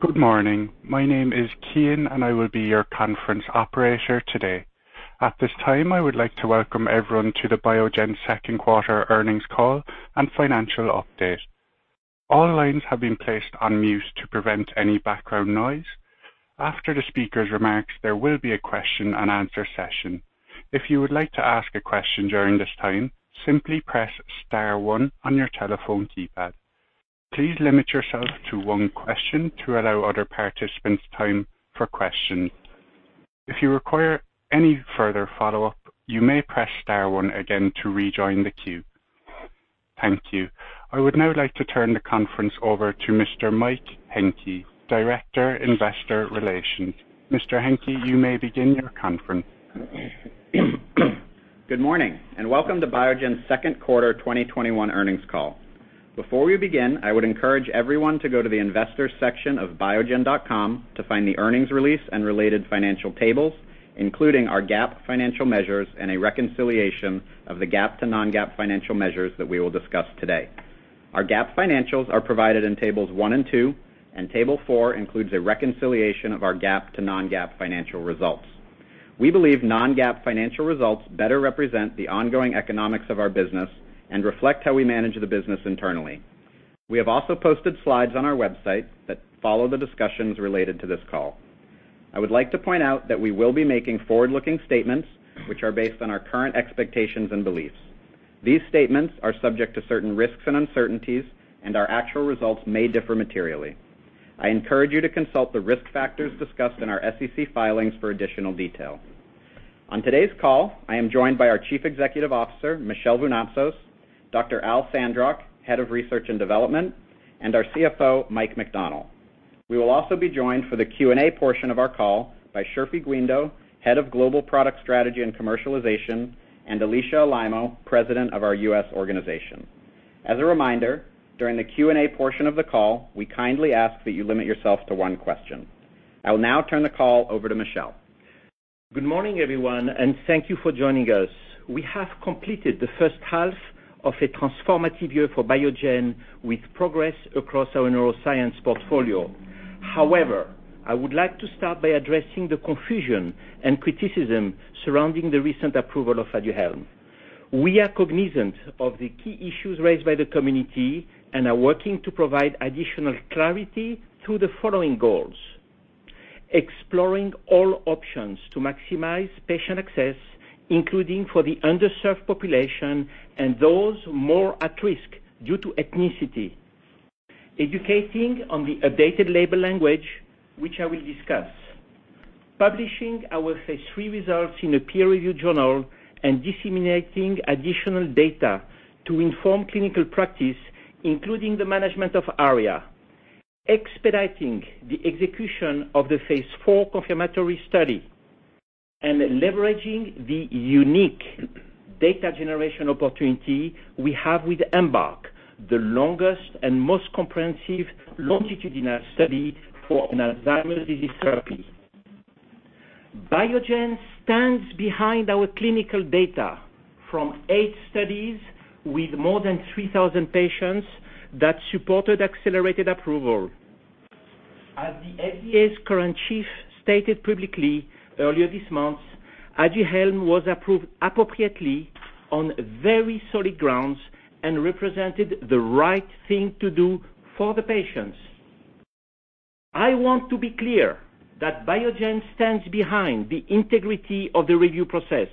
Good morning. My name is Qin, and I will be your conference operator today. At this time, I would like to welcome everyone to the Biogen second quarter earnings call and financial update. All lines have been placed on mute to prevent any background noise. After the speaker's remarks, there will be a question and answer session. If you would like to ask a question during this time, simply press star one on your telephone keypad. Please limit yourself to one question to allow other participants time for questions. If you require any further follow-up, you may press star one again to rejoin the queue. Thank you. I would now like to turn the conference over to Mr. Mike Hencke, Director, Investor Relations. Mr. Hencke, you may begin your conference. Good morning, and welcome to Biogen's second quarter 2021 earnings call. Before we begin, I would encourage everyone to go to the investors section of biogen.com to find the earnings release and related financial tables, including our GAAP financial measures and a reconciliation of the GAAP to non-GAAP financial measures that we will discuss today. Our GAAP financials are provided in tables one and two. Table four includes a reconciliation of our GAAP to non-GAAP financial results. We believe non-GAAP financial results better represent the ongoing economics of our business and reflect how we manage the business internally. We have also posted slides on our website that follow the discussions related to this call. I would like to point out that we will be making forward-looking statements which are based on our current expectations and beliefs. These statements are subject to certain risks and uncertainties, and our actual results may differ materially. I encourage you to consult the risk factors discussed in our SEC filings for additional detail. On today's call, I am joined by our Chief Executive Officer, Michel Vounatsos, Dr. Al Sandrock, Head of Research and Development, and our CFO, Mike McDonnell. We will also be joined for the Q&A portion of our call by Chirfi Guindo, Head of Global Product Strategy and Commercialization, and Alisha Alaimo, President of our U.S. organization. As a reminder, during the Q&A portion of the call, we kindly ask that you limit yourself to one question. I will now turn the call over to Michel. Good morning, everyone, thank you for joining us. We have completed the first half of a transformative year for Biogen with progress across our neuroscience portfolio. I would like to start by addressing the confusion and criticism surrounding the recent approval of ADUHELM. We are cognizant of the key issues raised by the community and are working to provide additional clarity through the following goals. Exploring all options to maximize patient access, including for the underserved population and those more at risk due to ethnicity. Educating on the updated label language, which I will discuss. Publishing our phase III results in a peer-reviewed journal and disseminating additional data to inform clinical practice, including the management of ARIA. Expediting the execution of the phase IV confirmatory study, and leveraging the unique data generation opportunity we have with EMBARK, the longest and most comprehensive longitudinal study for an Alzheimer's disease therapy. Biogen stands behind our clinical data from eight studies with more than 3,000 patients that supported accelerated approval. As the FDA's current chief stated publicly earlier this month, ADUHELM was approved appropriately on very solid grounds and represented the right thing to do for the patients. I want to be clear that Biogen stands behind the integrity of the review process.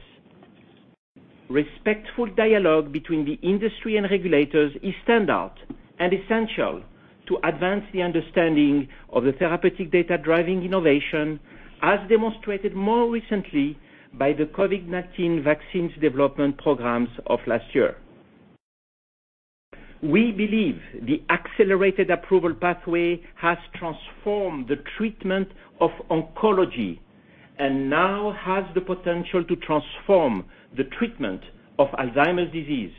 Respectful dialogue between the industry and regulators is standout and essential to advance the understanding of the therapeutic data-driving innovation, as demonstrated more recently by the COVID-19 vaccines development programs of last year. We believe the accelerated approval pathway has transformed the treatment of oncology and now has the potential to transform the treatment of Alzheimer's disease.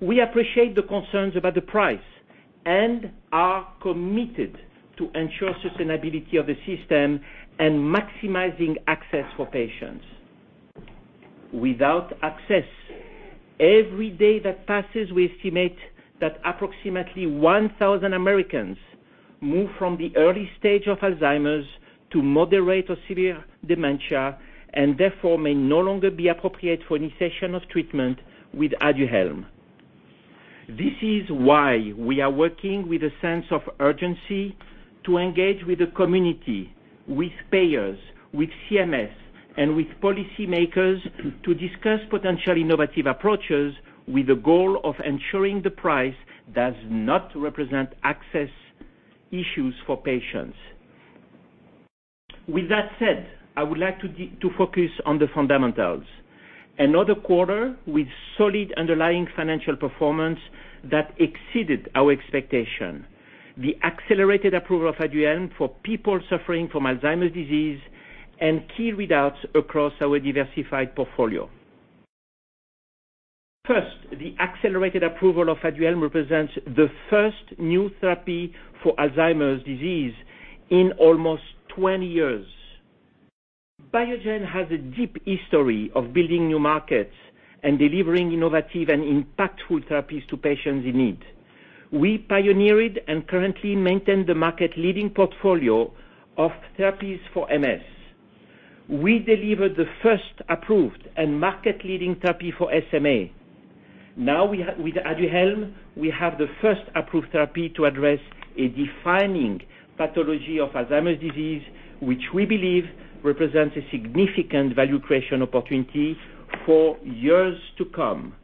We appreciate the concerns about the price and are committed to ensure sustainability of the system and maximizing access for patients. Without access, every day that passes, we estimate that approximately 1,000 Americans move from the early stage of Alzheimer's to moderate or severe dementia, and therefore may no longer be appropriate for initiation of treatment with ADUHELM. This is why we are working with a sense of urgency to engage with the community, with payers, with CMS, and with policymakers to discuss potential innovative approaches with the goal of ensuring the price does not represent access issues for patients. With that said, I would like to focus on the fundamentals. Another quarter with solid underlying financial performance that exceeded our expectation. The accelerated approval of ADUHELM for people suffering from Alzheimer's disease and key readouts across our diversified portfolio. First, the accelerated approval of ADUHELM represents the first new therapy for Alzheimer's disease in almost 20 years. Biogen has a deep history of building new markets and delivering innovative and impactful therapies to patients in need. We pioneered and currently maintain the market-leading portfolio of therapies for MS. We delivered the first approved and market-leading therapy for SMA. Now with ADUHELM, we have the first approved therapy to address a defining pathology of Alzheimer's disease, which we believe represents a significant value creation opportunity for years to come.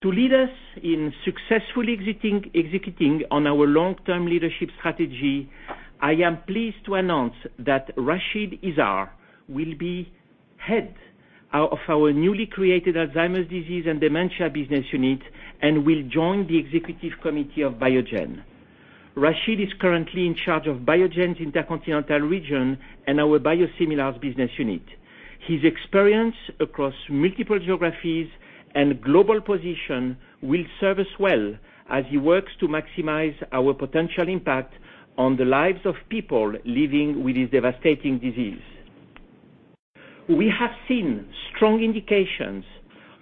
To lead us in successfully executing on our long-term leadership strategy, I am pleased to announce that Rachid Izzar will be head of our newly created Alzheimer's Disease and Dementia Business Unit, and will join the executive committee of Biogen. Rachid is currently in charge of Biogen's Intercontinental region and our biosimilars business unit. His experience across multiple geographies and global position will serve us well as he works to maximize our potential impact on the lives of people living with this devastating disease. We have seen strong indications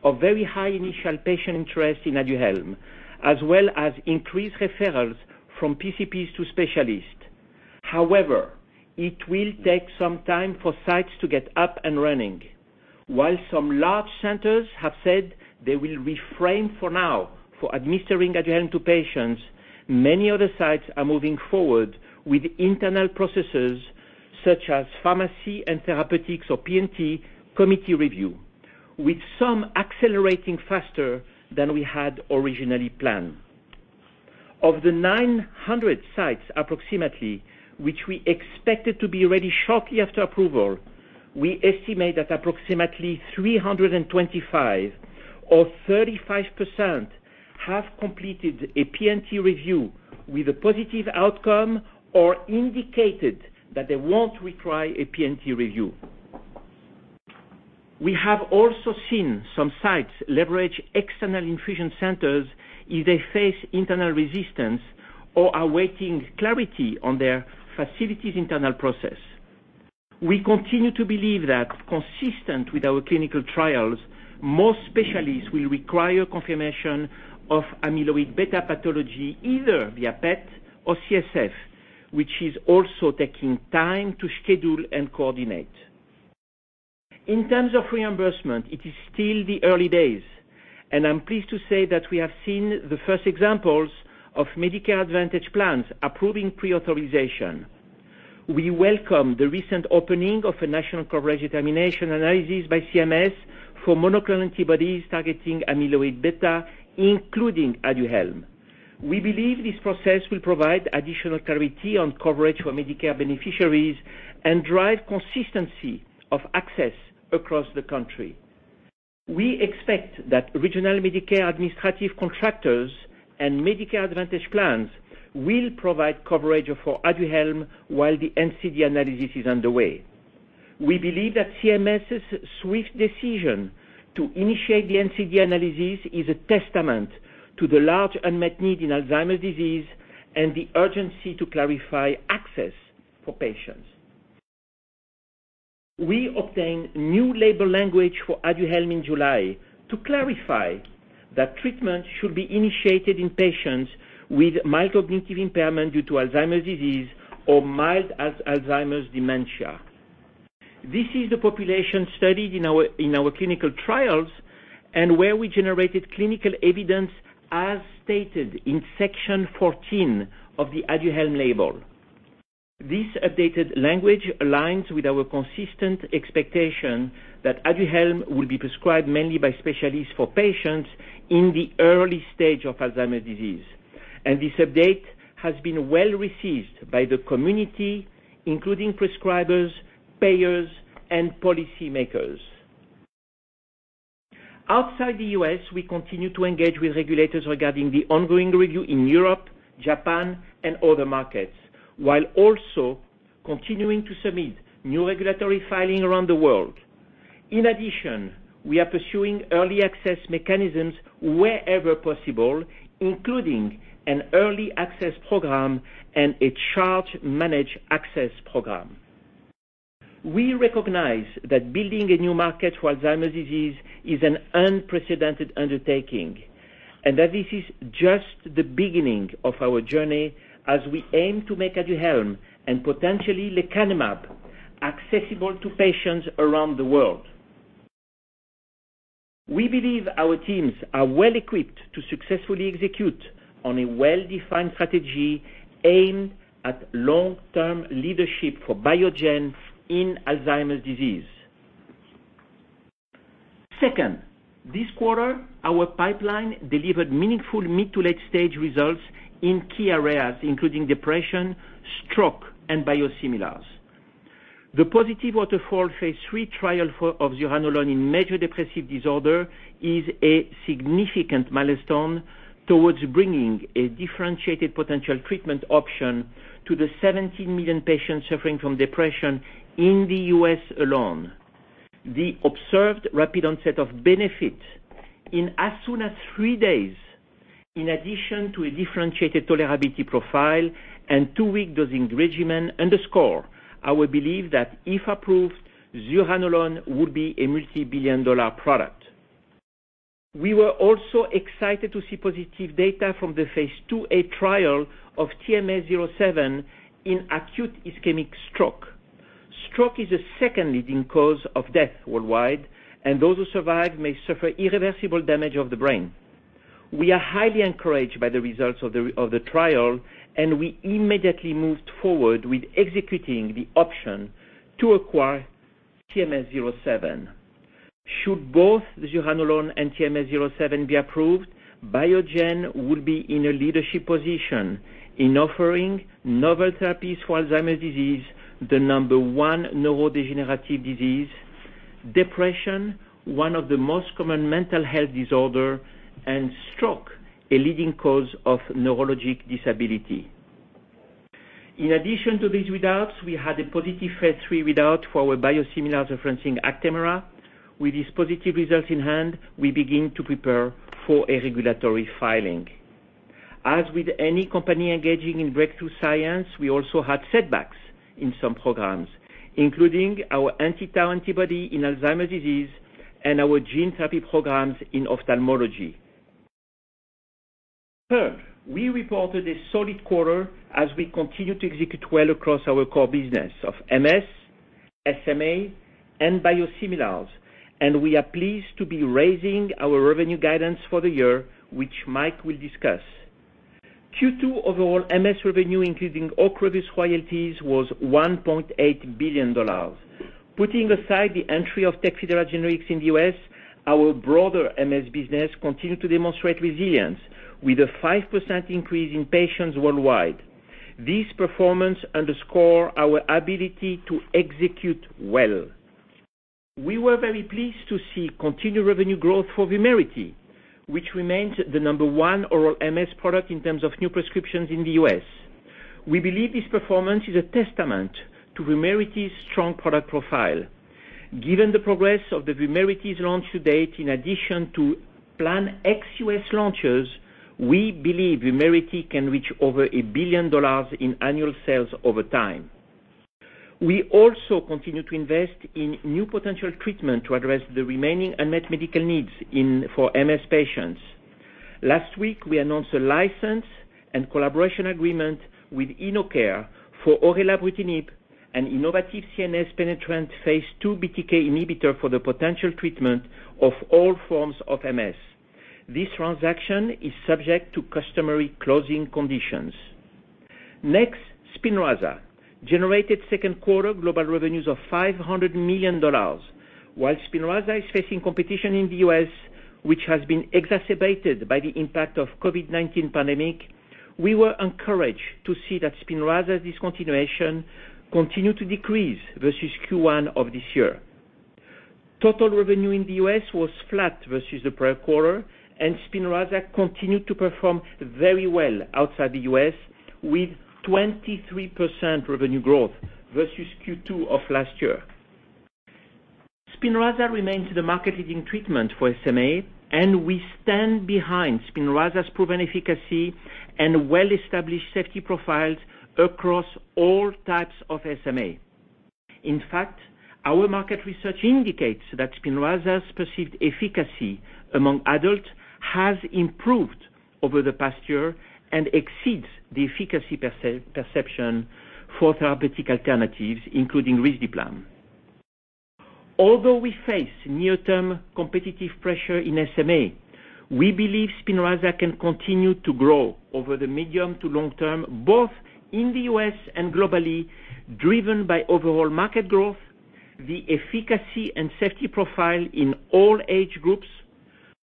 of very high initial patient interest in ADUHELM, as well as increased referrals from PCPs to specialists. However, it will take some time for sites to get up and running. While some large centers have said they will refrain for now for administering ADUHELM to patients, many other sites are moving forward with internal processes such as pharmacy and therapeutics or P&T committee review, with some accelerating faster than we had originally planned. Of the 900 sites approximately which we expected to be ready shortly after approval, we estimate that approximately 325 sites or 35% have completed a P&T review with a positive outcome or indicated that they won't require a P&T review. We have also seen some sites leverage external infusion centers if they face internal resistance or are waiting clarity on their facility's internal process. We continue to believe that consistent with our clinical trials, most specialists will require confirmation of amyloid beta pathology either via PET or CSF, which is also taking time to schedule and coordinate. In terms of reimbursement, it is still the early days. I'm pleased to say that we have seen the first examples of Medicare Advantage plans approving pre-authorization. We welcome the recent opening of a national coverage determination analysis by CMS for monoclonal antibodies targeting amyloid beta, including ADUHELM. We believe this process will provide additional clarity on coverage for Medicare beneficiaries and drive consistency of access across the country. We expect that original Medicare Administrative Contractors and Medicare Advantage plans will provide coverage for ADUHELM while the NCD analysis is underway. We believe that CMS's swift decision to initiate the NCD analysis is a testament to the large unmet need in Alzheimer's disease and the urgency to clarify access for patients. We obtained new label language for ADUHELM in July to clarify that treatment should be initiated in patients with mild cognitive impairment due to Alzheimer's disease or mild Alzheimer's dementia. This is the population studied in our clinical trials and where we generated clinical evidence as stated in Section 14 of the ADUHELM label. This updated language aligns with our consistent expectation that ADUHELM will be prescribed mainly by specialists for patients in the early stage of Alzheimer's disease. This update has been well received by the community, including prescribers, payers, and policymakers. Outside the U.S., we continue to engage with regulators regarding the ongoing review in Europe, Japan, and other markets, while also continuing to submit new regulatory filing around the world. In addition, we are pursuing early access mechanisms wherever possible, including an early access program and a charge manage access program. We recognize that building a new market for Alzheimer's disease is an unprecedented undertaking, and that this is just the beginning of our journey as we aim to make ADUHELM and potentially lecanemab accessible to patients around the world. We believe our teams are well-equipped to successfully execute on a well-defined strategy aimed at long-term leadership for Biogen in Alzheimer's disease. Second, this quarter, our pipeline delivered meaningful mid- to late-stage results in key areas including depression, stroke, and biosimilars. The positive WATERFALL phase III trial of zuranolone in major depressive disorder is a significant milestone towards bringing a differentiated potential treatment option to the 17 million patients suffering from depression in the U.S. alone. The observed rapid onset of benefit in as soon as three days. In addition to a differentiated tolerability profile and two-week dosing regimen underscore our belief that if approved, zuranolone would be a multibillion-dollar product. We were also excited to see positive data from the Phase II-A trial of TMS-007 in acute ischemic stroke. Stroke is the second leading cause of death worldwide, and those who survive may suffer irreversible damage of the brain. We are highly encouraged by the results of the trial, and we immediately moved forward with executing the option to acquire TMS-007. Should both zuranolone and TMS-007 be approved, Biogen would be in a leadership position in offering novel therapies for Alzheimer's disease, the number 1 neurodegenerative disease, depression, one of the most common mental health disorder, stroke, a leading cause of neurologic disability. In addition to these readouts, we had a positive phase III readout for our biosimilar referencing Actemra. With these positive results in hand, we begin to prepare for a regulatory filing. As with any company engaging in breakthrough science, we also had setbacks in some programs, including our anti-tau antibody in Alzheimer's disease and our gene therapy programs in ophthalmology. Third, we reported a solid quarter as we continue to execute well across our core business of MS, SMA, and biosimilars, and we are pleased to be raising our revenue guidance for the year, which Mike will discuss. Q2 overall MS revenue, including OCREVUS royalties, was $1.8 billion. Putting aside the entry of TECFIDERA generics in the U.S., our broader MS business continued to demonstrate resilience with a 5% increase in patients worldwide. This performance underscores our ability to execute well. We were very pleased to see continued revenue growth for VUMERITY, which remains the number 1 oral MS product in terms of new prescriptions in the U.S. We believe this performance is a testament to VUMERITY's strong product profile. Given the progress of the VUMERITY's launch to date, in addition to planned ex-U.S. launches, we believe VUMERITY can reach over $1 billion in annual sales over time. We also continue to invest in new potential treatment to address the remaining unmet medical needs for MS patients. Last week, we announced a license and collaboration agreement with InnoCare for oral orelabrutinib, an innovative CNS-penetrant phase II BTK inhibitor for the potential treatment of all forms of MS. This transaction is subject to customary closing conditions. SPINRAZA generated second quarter global revenues of $500 million. While SPINRAZA is facing competition in the U.S., which has been exacerbated by the impact of COVID-19 pandemic, we were encouraged to see that SPINRAZA discontinuation continue to decrease versus Q1 of this year. Total revenue in the U.S. was flat versus the prior quarter, and SPINRAZA continued to perform very well outside the U.S. with 23% revenue growth versus Q2 of last year. SPINRAZA remains the market-leading treatment for SMA, and we stand behind SPINRAZA's proven efficacy and well-established safety profiles across all types of SMA. In fact, our market research indicates that SPINRAZA's perceived efficacy among adults has improved over the past year and exceeds the efficacy perception for therapeutic alternatives, including risdiplam. Although we face near-term competitive pressure in SMA, we believe SPINRAZA can continue to grow over the medium to long term, both in the U.S. and globally, driven by overall market growth, the efficacy and safety profile in all age groups,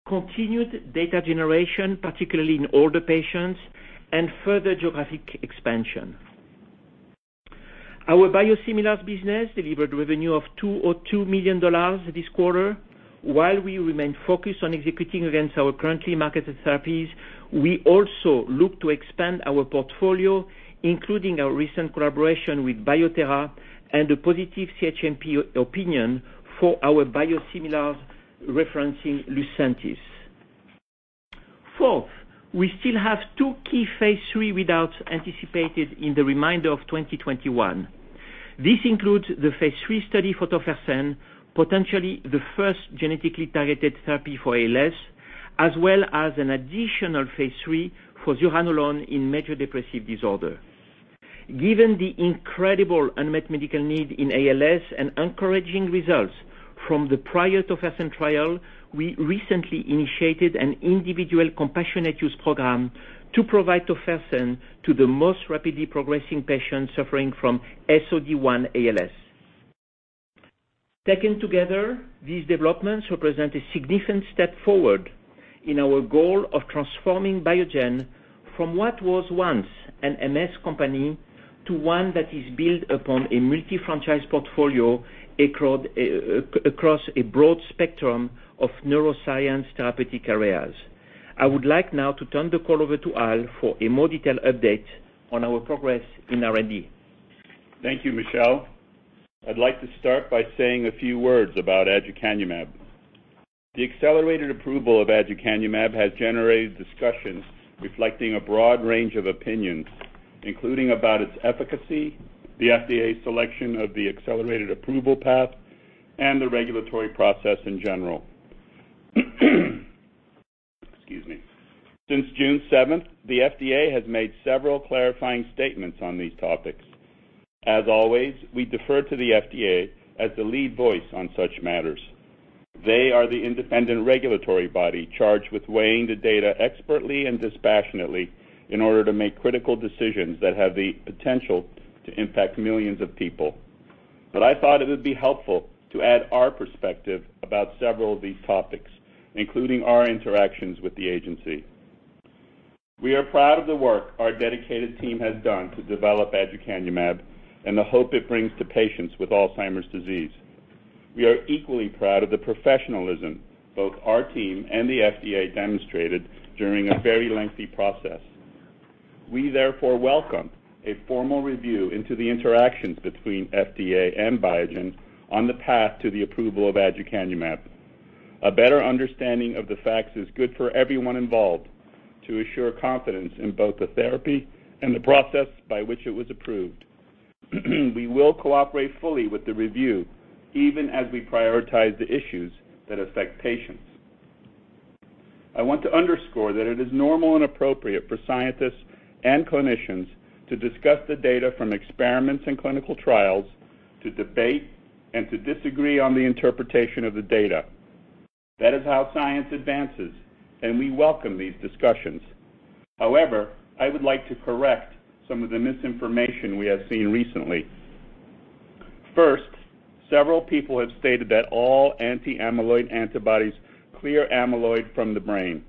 continued data generation, particularly in older patients, and further geographic expansion. Our biosimilars business delivered revenue of $202 million this quarter. While we remain focused on executing against our currently marketed therapies, we also look to expand our portfolio, including our recent collaboration with Bio-Thera and a positive CHMP opinion for our biosimilars referencing Lucentis. Fourth, we still have two key phase III readouts anticipated in the remainder of 2021. This includes the phase III study for tofersen, potentially the first genetically targeted therapy for ALS, as well as an additional phase III for zuranolone in major depressive disorder. Given the incredible unmet medical need in ALS and encouraging results from the prior tofersen trial, we recently initiated an individual compassionate use program to provide tofersen to the most rapidly progressing patients suffering from SOD1 ALS. Taken together, these developments represent a significant step forward in our goal of transforming Biogen from what was once an MS company to one that is built upon a multi-franchise portfolio across a broad spectrum of neuroscience therapeutic areas. I would like now to turn the call over to Al for a more detailed update on our progress in R&D. Thank you, Michel. I'd like to start by saying a few words about aducanumab. The accelerated approval of aducanumab has generated discussions reflecting a broad range of opinions, including about its efficacy, the FDA's selection of the accelerated approval path, and the regulatory process in general. Excuse me. Since June 7th, the FDA has made several clarifying statements on these topics. As always, we defer to the FDA as the lead voice on such matters. They are the independent regulatory body charged with weighing the data expertly and dispassionately in order to make critical decisions that have the potential to impact millions of people. I thought it would be helpful to add our perspective about several of these topics, including our interactions with the agency. We are proud of the work our dedicated team has done to develop aducanumab and the hope it brings to patients with Alzheimer's disease. We are equally proud of the professionalism both our team and the FDA demonstrated during a very lengthy process. We therefore welcome a formal review into the interactions between FDA and Biogen on the path to the approval of aducanumab. A better understanding of the facts is good for everyone involved to assure confidence in both the therapy and the process by which it was approved. We will cooperate fully with the review, even as we prioritize the issues that affect patients. I want to underscore that it is normal and appropriate for scientists and clinicians to discuss the data from experiments and clinical trials, to debate, and to disagree on the interpretation of the data. That is how science advances, and we welcome these discussions. However, I would like to correct some of the misinformation we have seen recently. Several people have stated that all anti-amyloid antibodies clear amyloid from the brain.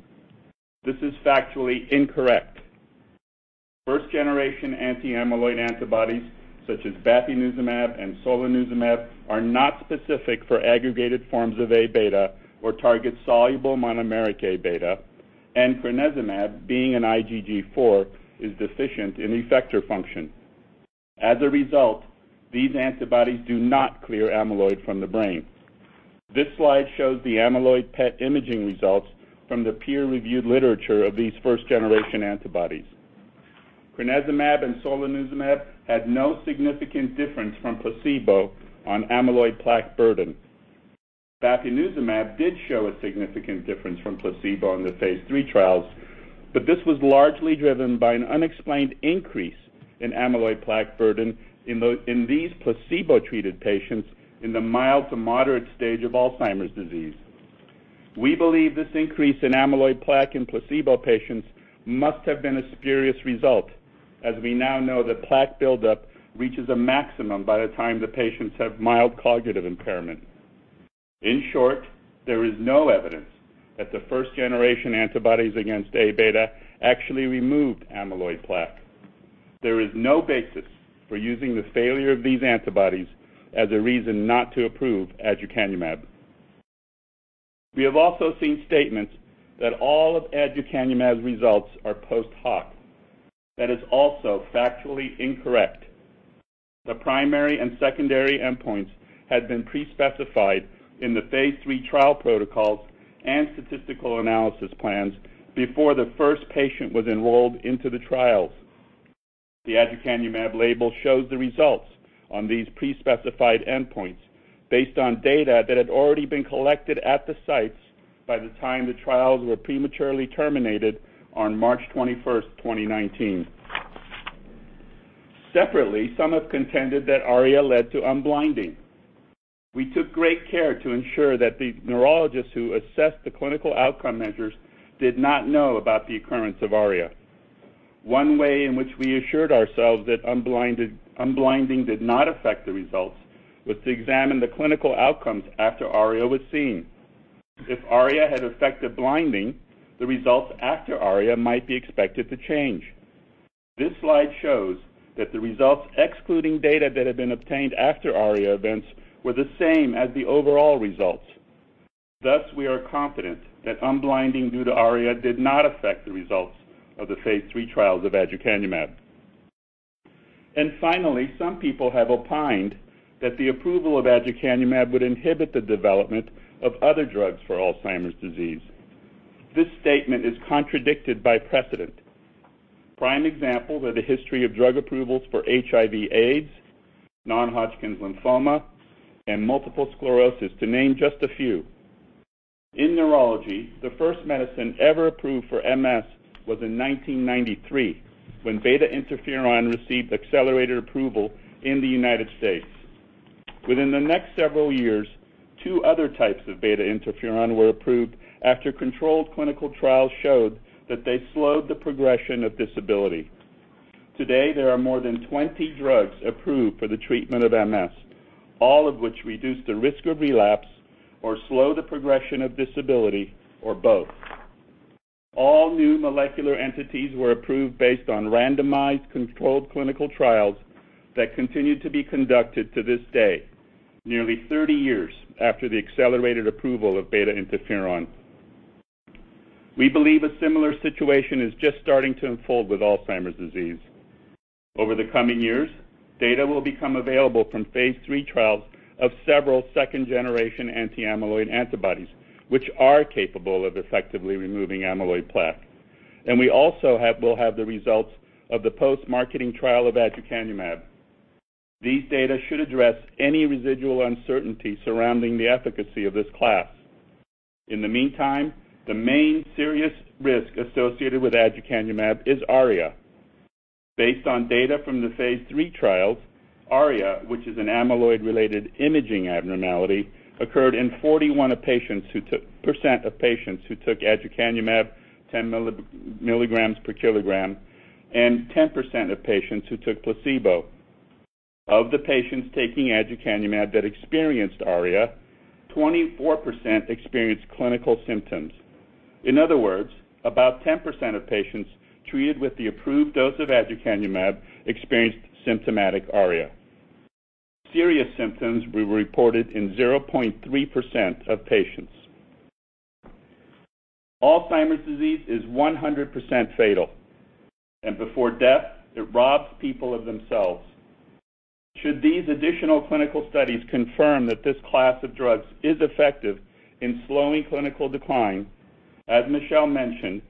This is factually incorrect. First-generation anti-amyloid antibodies such as bapineuzumab and solanezumab are not specific for aggregated forms of A-beta or target soluble monomeric A-beta, and crenezumab, being an IgG4, is deficient in effector function. As a result, these antibodies do not clear amyloid from the brain. This slide shows the amyloid PET imaging results from the peer-reviewed literature of these first-generation antibodies. crenezumab and solanezumab had no significant difference from placebo on amyloid plaque burden. bapineuzumab did show a significant difference from placebo in the phase III trials, but this was largely driven by an unexplained increase in amyloid plaque burden in these placebo-treated patients in the mild to moderate stage of Alzheimer's disease. We believe this increase in amyloid plaque in placebo patients must have been a spurious result, as we now know that plaque buildup reaches a maximum by the time the patients have mild cognitive impairment. In short, there is no evidence that the first-generation antibodies against A-beta actually removed amyloid plaque. There is no basis for using the failure of these antibodies as a reason not to approve aducanumab. We have also seen statements that all of aducanumab's results are post hoc. That is also factually incorrect. The primary and secondary endpoints had been pre-specified in the phase III trial protocols and statistical analysis plans before the first patient was enrolled into the trials. The aducanumab label shows the results on these pre-specified endpoints based on data that had already been collected at the sites by the time the trials were prematurely terminated on March 21st, 2019. Separately, some have contended that ARIA led to unblinding. We took great care to ensure that the neurologists who assessed the clinical outcome measures did not know about the occurrence of ARIA. One way in which we assured ourselves that unblinding did not affect the results was to examine the clinical outcomes after ARIA was seen. If ARIA had affected blinding, the results after ARIA might be expected to change. This slide shows that the results excluding data that had been obtained after ARIA events were the same as the overall results. Thus, we are confident that unblinding due to ARIA did not affect the results of the phase III trials of aducanumab. Finally, some people have opined that the approval of aducanumab would inhibit the development of other drugs for Alzheimer's disease. This statement is contradicted by precedent. Prime examples are the history of drug approvals for HIV AIDS, non-Hodgkin's lymphoma, and multiple sclerosis, to name just a few. In neurology, the first medicine ever approved for MS was in 1993, when beta interferon received accelerated approval in the United States. Within the next several years, two other types of beta interferon were approved after controlled clinical trials showed that they slowed the progression of disability. Today, there are more than 20 drugs approved for the treatment of MS, all of which reduce the risk of relapse or slow the progression of disability, or both. All new molecular entities were approved based on randomized controlled clinical trials that continue to be conducted to this day, nearly 30 years after the accelerated approval of beta interferon. We believe a similar situation is just starting to unfold with Alzheimer's disease. Over the coming years, data will become available from phase III trials of several second-generation anti-amyloid antibodies, which are capable of effectively removing amyloid plaque. We also will have the results of the post-marketing trial of aducanumab. These data should address any residual uncertainty surrounding the efficacy of this class. In the meantime, the main serious risk associated with aducanumab is ARIA. Based on data from the phase III trials, ARIA, which is an amyloid-related imaging abnormality, occurred in 41% of patients who took aducanumab 10 mg/kg, and 10% of patients who took placebo. Of the patients taking aducanumab that experienced ARIA, 24% experienced clinical symptoms. In other words, about 10% of patients treated with the approved dose of aducanumab experienced symptomatic ARIA. Serious symptoms were reported in 0.3% of patients. Alzheimer's disease is 100% fatal, and before death, it robs people of themselves. Should these additional clinical studies confirm that this class of drugs is effective in slowing clinical decline, as Michel mentioned,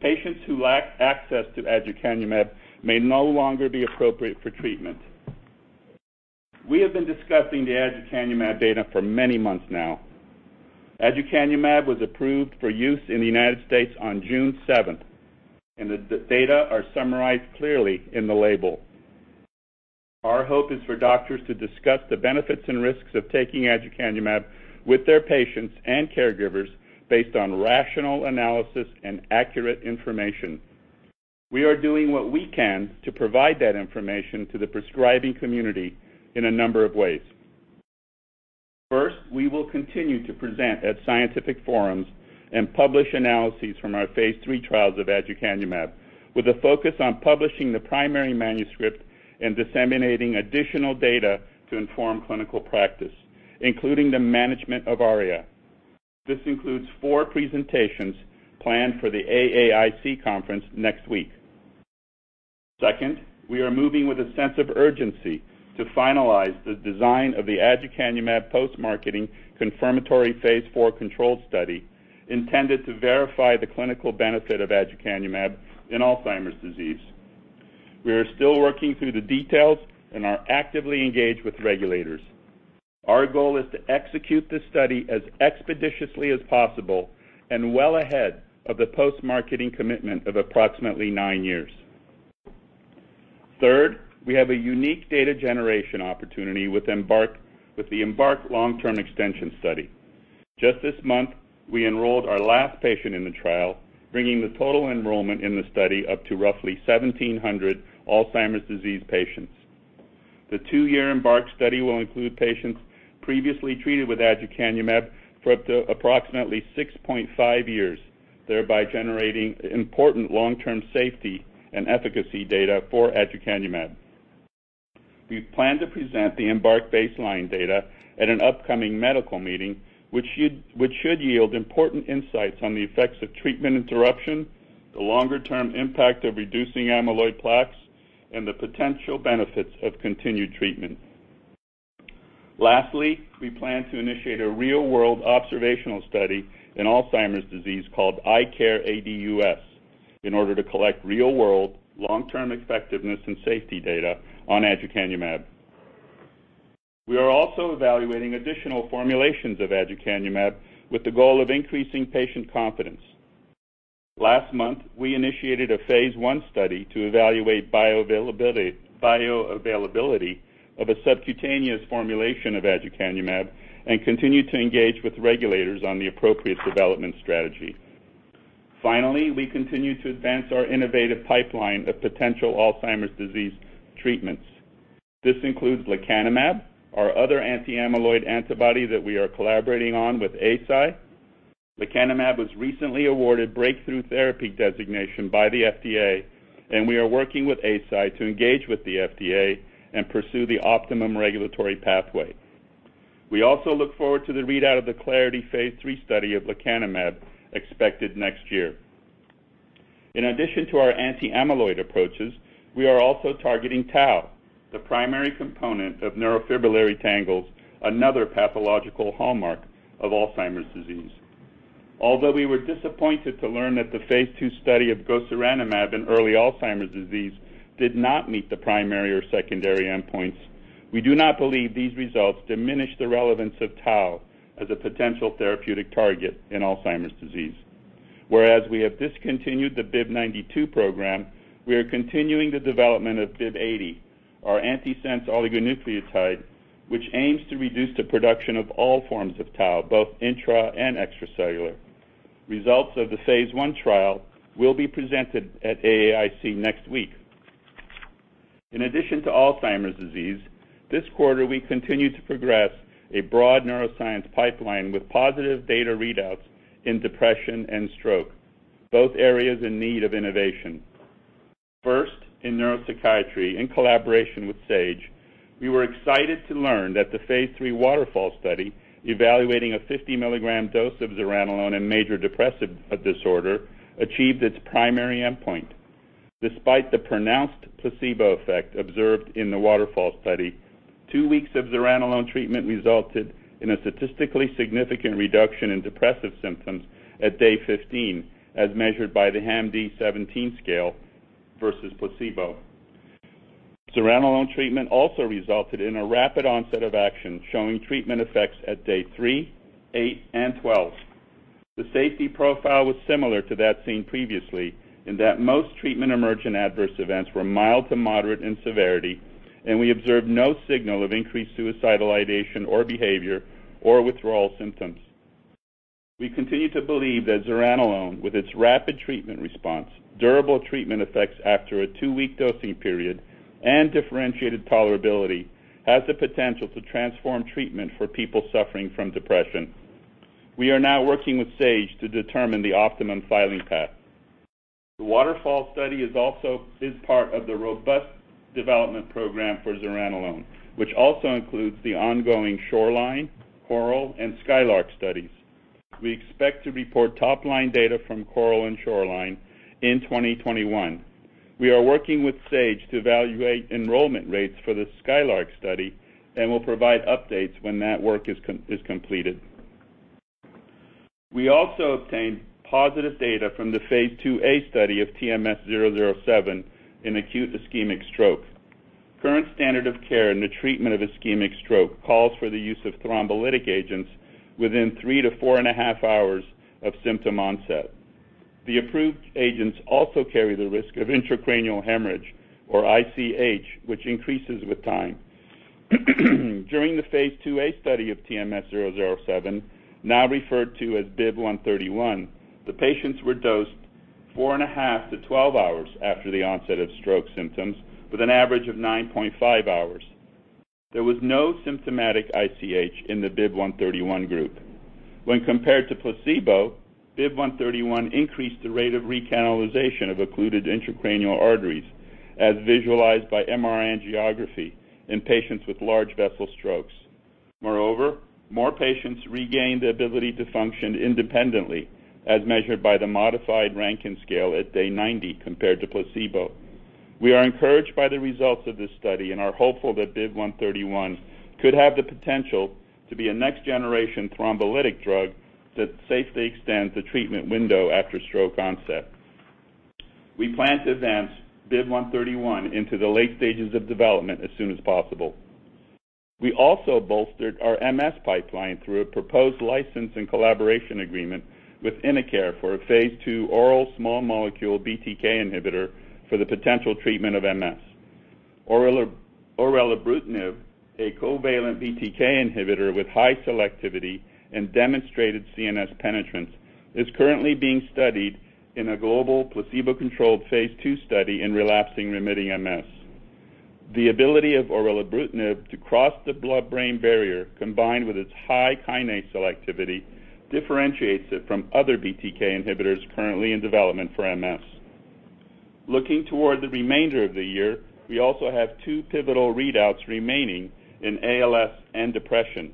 patients who lack access to aducanumab may no longer be appropriate for treatment. We have been discussing the aducanumab data for many months now. Aducanumab was approved for use in the U.S. on June 7th, and the data are summarized clearly in the label. Our hope is for doctors to discuss the benefits and risks of taking aducanumab with their patients and caregivers based on rational analysis and accurate information. We are doing what we can to provide that information to the prescribing community in a number of ways. First, we will continue to present at scientific forums and publish analyses from our phase III trials of aducanumab, with a focus on publishing the primary manuscript and disseminating additional data to inform clinical practice, including the management of ARIA. This includes four presentations planned for the AAIC conference next week. We are moving with a sense of urgency to finalize the design of the aducanumab post-marketing confirmatory phase IV control study intended to verify the clinical benefit of aducanumab in Alzheimer's disease. We are still working through the details and are actively engaged with regulators. Our goal is to execute this study as expeditiously as possible and well ahead of the post-marketing commitment of approximately nine years. We have a unique data generation opportunity with the EMBARK long-term extension study. Just this month, we enrolled our last patient in the trial, bringing the total enrollment in the study up to roughly 1,700 Alzheimer's disease patients. The two-year EMBARK study will include patients previously treated with aducanumab for up to approximately 6.5 years, thereby generating important long-term safety and efficacy data for aducanumab. We plan to present the EMBARK baseline data at an upcoming medical meeting, which should yield important insights on the effects of treatment interruption, the longer-term impact of reducing amyloid plaques, and the potential benefits of continued treatment. Lastly, we plan to initiate a real-world observational study in Alzheimer's disease called ICARE AD-US in order to collect real-world long-term effectiveness and safety data on aducanumab. We are also evaluating additional formulations of aducanumab with the goal of increasing patient confidence. Last month, we initiated a phase I study to evaluate bioavailability of a subcutaneous formulation of aducanumab and continue to engage with regulators on the appropriate development strategy. Finally, we continue to advance our innovative pipeline of potential Alzheimer's disease treatments. This includes lecanemab, our other anti-amyloid antibody that we are collaborating on with Eisai. Lecanemab was recently awarded breakthrough therapy designation by the FDA, and we are working with Eisai to engage with the FDA and pursue the optimum regulatory pathway. We also look forward to the readout of the Clarity AD phase III study of lecanemab expected next year. In addition to our anti-amyloid approaches, we are also targeting tau, the primary component of neurofibrillary tangles, another pathological hallmark of Alzheimer's disease. Although we were disappointed to learn that the phase II study of gosuranemab in early Alzheimer's disease did not meet the primary or secondary endpoints, we do not believe these results diminish the relevance of tau as a potential therapeutic target in Alzheimer's disease. Whereas we have discontinued the BIIB092 program, we are continuing the development of BIIB080, our antisense oligonucleotide, which aims to reduce the production of all forms of tau, both intra and extracellular. Results of the phase I trial will be presented at AAIC next week. In addition to Alzheimer's disease, this quarter, we continued to progress a broad neuroscience pipeline with positive data readouts in depression and stroke, both areas in need of innovation. First, in neuropsychiatry, in collaboration with Sage, we were excited to learn that the phase III WATERFALL study evaluating a 50 mg dose of zuranolone in major depressive disorder achieved its primary endpoint. Despite the pronounced placebo effect observed in the WATERFALL study, two weeks of zuranolone treatment resulted in a statistically significant reduction in depressive symptoms at day 15, as measured by the HAM-D17 scale versus placebo. Zuranolone treatment also resulted in a rapid onset of action, showing treatment effects at day three, eight, and 12. The safety profile was similar to that seen previously, in that most treatment-emergent adverse events were mild to moderate in severity, and we observed no signal of increased suicidal ideation or behavior or withdrawal symptoms. We continue to believe that zuranolone, with its rapid treatment response, durable treatment effects after a two-week dosing period, and differentiated tolerability, has the potential to transform treatment for people suffering from depression. We are now working with Sage to determine the optimum filing path. The WATERFALL study is part of the robust development program for zuranolone, which also includes the ongoing SHORELINE, CORAL, and SKYLARK studies. We expect to report top-line data from CORAL and SHORELINE in 2021. We are working with Sage to evaluate enrollment rates for the SKYLARK study and will provide updates when that work is completed. We also obtained positive data from the phase II-A study of TMS-007 in acute ischemic stroke. Current standard of care in the treatment of ischemic stroke calls for the use of thrombolytic agents within three to 4.5 Hours of symptom onset. The approved agents also carry the risk of intracranial hemorrhage, or ICH, which increases with time. During the phase II-A study of TMS-007, now referred to as BIIB131, the patients were dosed 4.5 hours to 12 hours after the onset of stroke symptoms, with an average of 9.5 hours. There was no symptomatic ICH in the BIIB131 group. When compared to placebo, BIIB131 increased the rate of recanalization of occluded intracranial arteries, as visualized by MRI angiography in patients with large vessel strokes. Moreover, more patients regained the ability to function independently, as measured by the modified Rankin Scale at day 90 compared to placebo. We are encouraged by the results of this study and are hopeful that BIIB131 could have the potential to be a next-generation thrombolytic drug that safely extends the treatment window after stroke onset. We plan to advance BIIB131 into the late stages of development as soon as possible. We also bolstered our MS pipeline through a proposed license and collaboration agreement with InnoCare for a phase II oral small molecule BTK inhibitor for the potential treatment of MS. Oral orelabrutinib, a covalent BTK inhibitor with high selectivity and demonstrated CNS penetrance, is currently being studied in a global placebo-controlled phase II study in relapsing remitting MS. The ability of oral orelabrutinib to cross the blood-brain barrier, combined with its high kinase selectivity, differentiates it from other BTK inhibitors currently in development for MS. Looking toward the remainder of the year, we also have two pivotal readouts remaining in ALS and depression.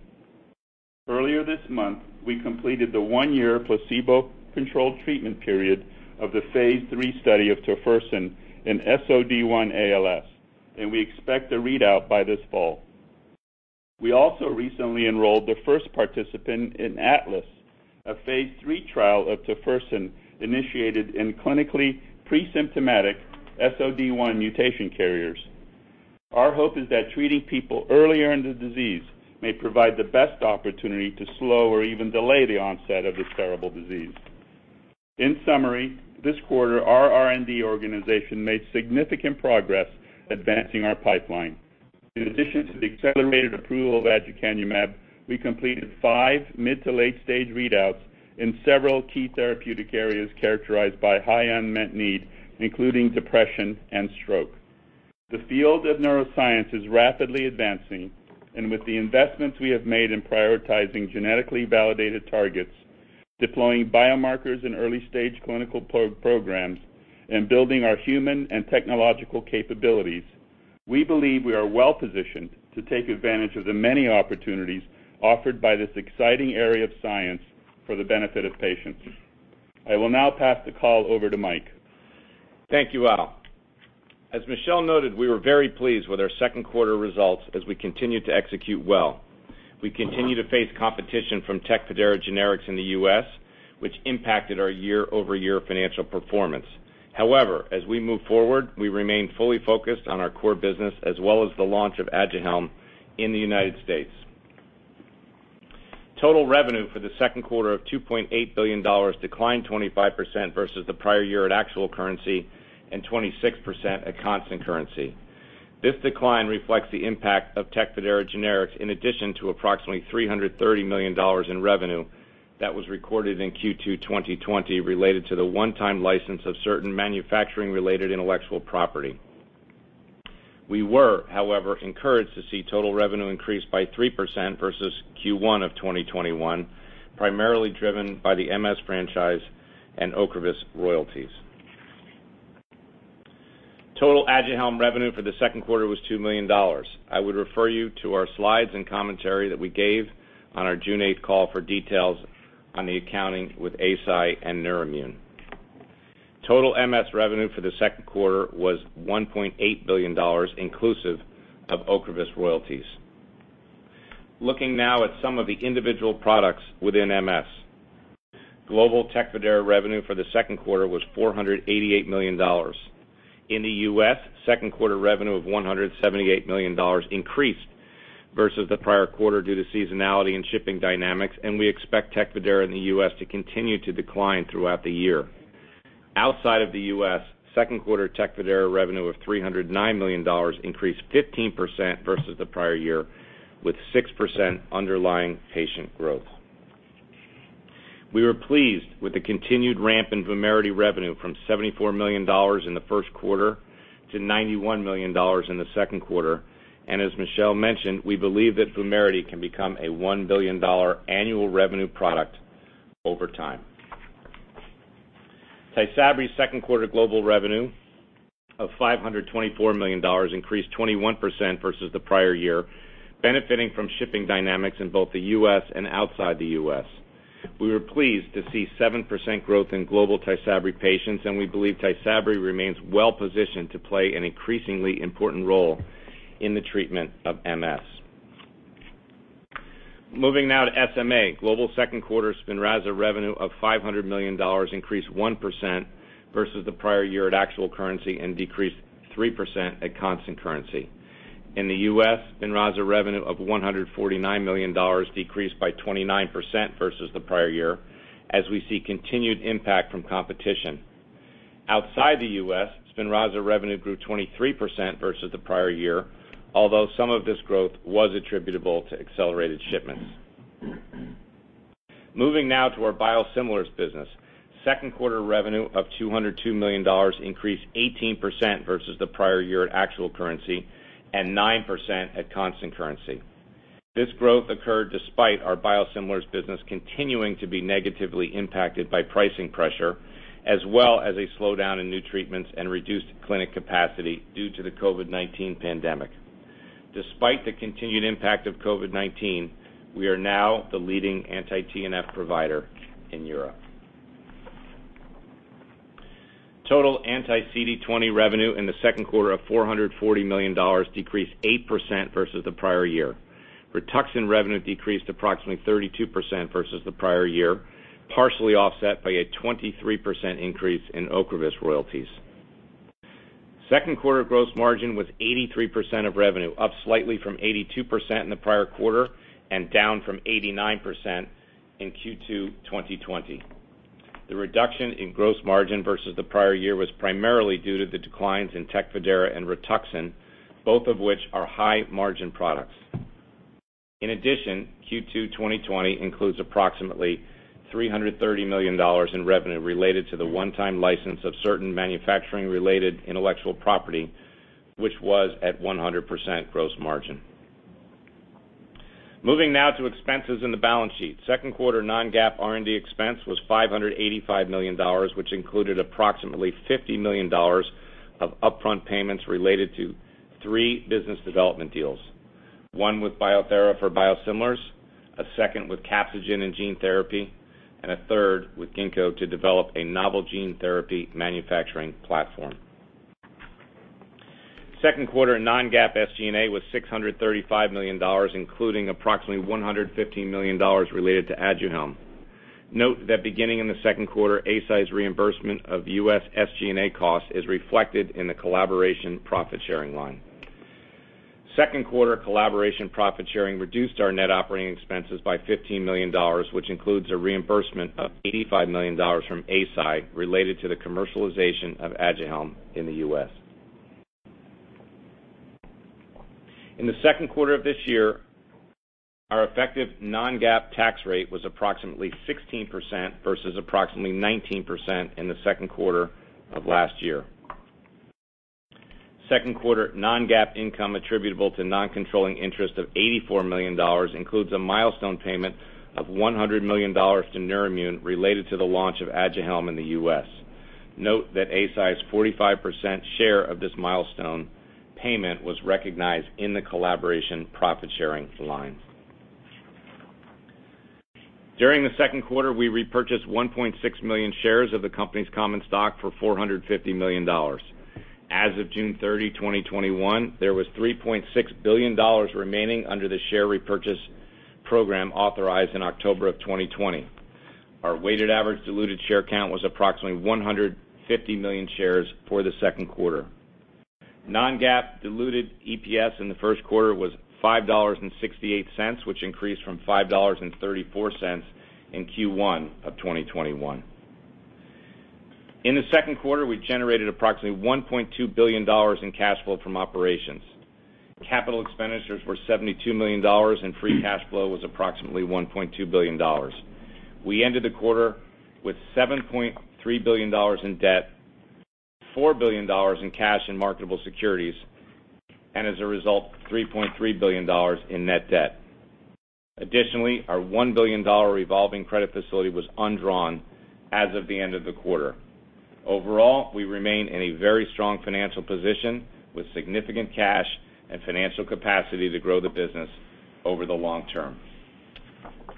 Earlier this month, we completed the one-year placebo-controlled treatment period of the phase III study of tofersen in SOD1 ALS, and we expect a readout by this fall. We also recently enrolled the first participant in ATLAS, a phase III trial of tofersen initiated in clinically presymptomatic SOD1 mutation carriers. Our hope is that treating people earlier in the disease may provide the best opportunity to slow or even delay the onset of this terrible disease. In summary, this quarter, our R&D organization made significant progress advancing our pipeline. In addition to the accelerated approval of aducanumab, we completed 5 mid to late-stage readouts in several key therapeutic areas characterized by high unmet need, including depression and stroke. The field of neuroscience is rapidly advancing, with the investments we have made in prioritizing genetically validated targets, deploying biomarkers in early-stage clinical programs, and building our human and technological capabilities, we believe we are well-positioned to take advantage of the many opportunities offered by this exciting area of science for the benefit of patients. I will now pass the call over to Mike. Thank you, Al. As Michel noted, we were very pleased with our second quarter results as we continued to execute well. We continue to face competition from TECFIDERA generics in the U.S., which impacted our year-over-year financial performance. As we move forward, we remain fully focused on our core business as well as the launch of ADUHELM in the United States. Total revenue for the second quarter of $2.8 billion declined 25% versus the prior year at actual currency and 26% at constant currency. This decline reflects the impact of TECFIDERA generics in addition to approximately $330 million in revenue that was recorded in Q2 2020 related to the one-time license of certain manufacturing-related intellectual property. We were, however, encouraged to see total revenue increase by 3% versus Q1 of 2021, primarily driven by the MS franchise and OCREVUS royalties. Total ADUHELM revenue for the second quarter was $2 million. I would refer you to our slides and commentary that we gave on our June 8th call for details on the accounting with Eisai and Neurimmune. Total MS revenue for the second quarter was $1.8 billion, inclusive of OCREVUS royalties. Looking now at some of the individual products within MS. Global TECFIDERA revenue for the second quarter was $488 million. In the U.S., second quarter revenue of $178 million increased versus the prior quarter due to seasonality and shipping dynamics, and we expect TECFIDERA in the U.S. to continue to decline throughout the year. Outside of the U.S., second quarter TECFIDERA revenue of $309 million increased 15% versus the prior year, with 6% underlying patient growth. We were pleased with the continued ramp in Vumerity revenue from $74 million in the first quarter to $91 million in the second quarter. As Michel mentioned, we believe that Vumerity can become a $1 billion annual revenue product over time. Tysabri's second quarter global revenue of $524 million increased 21% versus the prior year, benefiting from shipping dynamics in both the U.S. and outside the U.S. We were pleased to see 7% growth in global Tysabri patients. We believe Tysabri remains well-positioned to play an increasingly important role in the treatment of MS. Moving now to SMA. Global second quarter SPINRAZA revenue of $500 million increased 1% versus the prior year at actual currency and decreased 3% at constant currency. In the U.S., SPINRAZA revenue of $149 million decreased by 29% versus the prior year, as we see continued impact from competition. Outside the U.S., SPINRAZA revenue grew 23% versus the prior year, although some of this growth was attributable to accelerated shipments. Moving now to our biosimilars business. Second quarter revenue of $202 million increased 18% versus the prior year at actual currency and 9% at constant currency. This growth occurred despite our biosimilars business continuing to be negatively impacted by pricing pressure, as well as a slowdown in new treatments and reduced clinic capacity due to the COVID-19 pandemic. Despite the continued impact of COVID-19, we are now the leading anti-TNF provider in Europe. Total anti-CD20 revenue in the second quarter of $440 million decreased 8% versus the prior year. RITUXAN revenue decreased approximately 32% versus the prior year, partially offset by a 23% increase in OCREVUS royalties. Second quarter gross margin was 83% of revenue, up slightly from 82% in the prior quarter and down from 89% in Q2 2020. The reduction in gross margin versus the prior year was primarily due to the declines in TECFIDERA and RITUXAN, both of which are high-margin products. In addition, Q2 2020 includes approximately $330 million in revenue related to the one-time license of certain manufacturing-related intellectual property, which was at 100% gross margin. Moving now to expenses and the balance sheet. Second quarter non-GAAP R&D expense was $585 million, which included approximately $50 million of upfront payments related to three business development deals, one with Bio-Thera for biosimilars, a second with Capsigen in gene therapy, and a third with Ginkgo to develop a novel gene therapy manufacturing platform. Second quarter non-GAAP SG&A was $635 million, including approximately $115 million related to ADUHELM. Note that beginning in the second quarter, Eisai's reimbursement of U.S. SG&A cost is reflected in the collaboration profit-sharing line. Second quarter collaboration profit-sharing reduced our net operating expenses by $15 million, which includes a reimbursement of $85 million from Eisai related to the commercialization of ADUHELM in the U.S. In the second quarter of this year, our effective non-GAAP tax rate was approximately 16% versus approximately 19% in the second quarter of last year. Second quarter non-GAAP income attributable to non-controlling interest of $84 million includes a milestone payment of $100 million to Neurimmune related to the launch of ADUHELM in the U.S. Note that Eisai's 45% share of this milestone payment was recognized in the collaboration profit-sharing line. During the second quarter, we repurchased 1.6 million shares of the company's common stock for $450 million. As of June 30, 2021, there was $3.6 billion remaining under the share repurchase program authorized in October of 2020. Our weighted average diluted share count was approximately 150 million shares for the second quarter. Non-GAAP diluted EPS in the second quarter was $5.68, which increased from $5.34 in Q1 of 2021. In the second quarter, we generated approximately $1.2 billion in cash flow from operations. Capital expenditures were $72 million, and free cash flow was approximately $1.2 billion. We ended the quarter with $7.3 billion in debt, $4 billion in cash and marketable securities, and as a result, $3.3 billion in net debt. Additionally, our $1 billion revolving credit facility was undrawn as of the end of the quarter. Overall, we remain in a very strong financial position with significant cash and financial capacity to grow the business over the long term.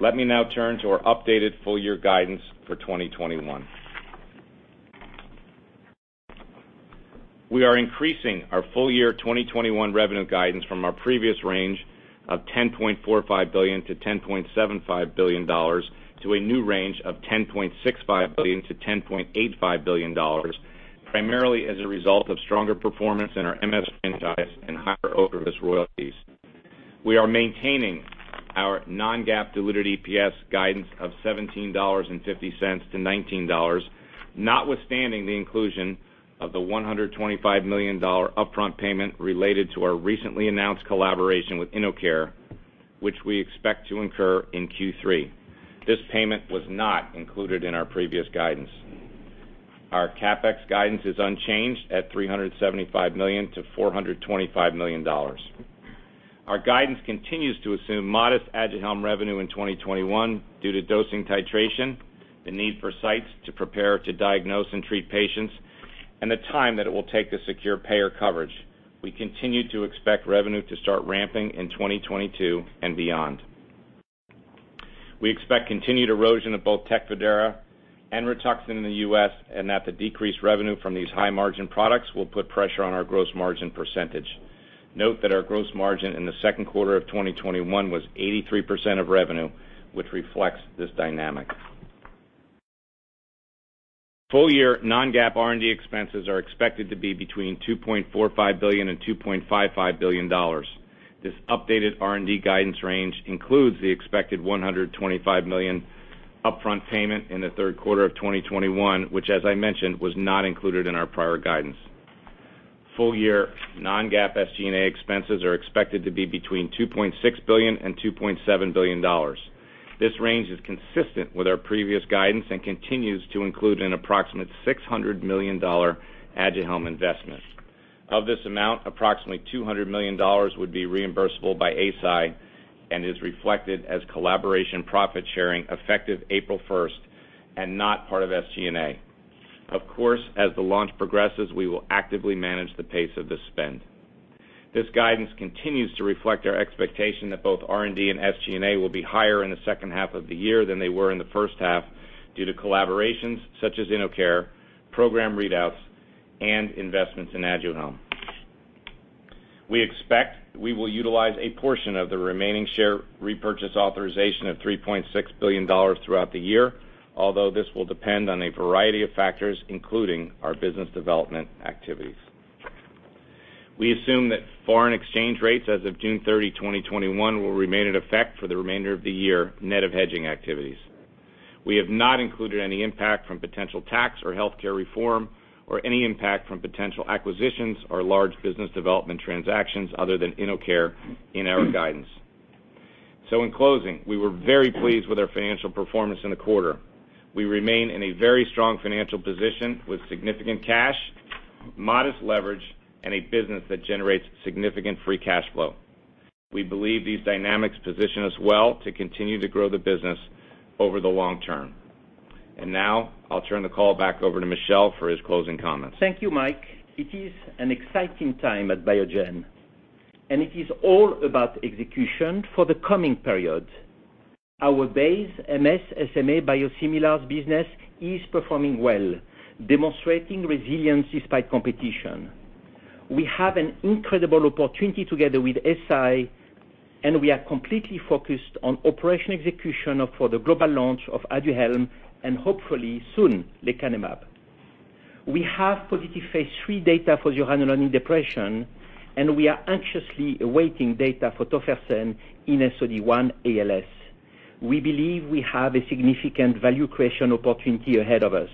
Let me now turn to our updated full-year guidance for 2021. We are increasing our full-year 2021 revenue guidance from our previous range of $10.45 billion-$10.75 billion, to a new range of $10.65 billion-$10.85 billion, primarily as a result of stronger performance in our MS franchise and higher OCREVUS royalties. We are maintaining our non-GAAP diluted EPS guidance of $17.50-$19, notwithstanding the inclusion of the $125 million upfront payment related to our recently announced collaboration with InnoCare, which we expect to incur in Q3. This payment was not included in our previous guidance. Our CapEx guidance is unchanged at $375 million-$425 million. Our guidance continues to assume modest ADUHELM revenue in 2021 due to dosing titration, the need for sites to prepare to diagnose and treat patients, and the time that it will take to secure payer coverage. We continue to expect revenue to start ramping in 2022 and beyond. We expect continued erosion of both TECFIDERA and RITUXAN in the U.S., and that the decreased revenue from these high-margin products will put pressure on our gross margin percentage. Note that our gross margin in the second quarter of 2021 was 83% of revenue, which reflects this dynamic. Full-year non-GAAP R&D expenses are expected to be between $2.45 billion and $2.55 billion. This updated R&D guidance range includes the expected $125 million upfront payment in the third quarter of 2021, which as I mentioned, was not included in our prior guidance. Full-year non-GAAP SG&A expenses are expected to be between $2.6 billion and $2.7 billion. This range is consistent with our previous guidance and continues to include an approximate $600 million ADUHELM investment. Of this amount, approximately $200 million would be reimbursable by Eisai and is reflected as collaboration profit-sharing effective April 1st and not part of SG&A. Of course, as the launch progresses, we will actively manage the pace of the spend. This guidance continues to reflect our expectation that both R&D and SG&A will be higher in the second half of the year than they were in the first half due to collaborations such as InnoCare, program readouts, and investments in ADUHELM. We expect we will utilize a portion of the remaining share repurchase authorization of $3.6 billion throughout the year, although this will depend on a variety of factors, including our business development activities. We assume that foreign exchange rates as of June 30, 2021, will remain in effect for the remainder of the year, net of hedging activities. We have not included any impact from potential tax or healthcare reform or any impact from potential acquisitions or large business development transactions other than InnoCare in our guidance. In closing, we were very pleased with our financial performance in the quarter. We remain in a very strong financial position with significant cash, modest leverage, and a business that generates significant free cash flow. We believe these dynamics position us well to continue to grow the business over the long term. Now I'll turn the call back over to Michel for his closing comments. Thank you, Mike. It is an exciting time at Biogen. It is all about execution for the coming period. Our base MS, SMA biosimilars business is performing well, demonstrating resilience despite competition. We have an incredible opportunity together with Eisai. We are completely focused on operation execution for the global launch of ADUHELM and hopefully soon lecanemab. We have positive phase III data for zuranolone in depression. We are anxiously awaiting data for tofersen in SOD1 ALS. We believe we have a significant value creation opportunity ahead of us.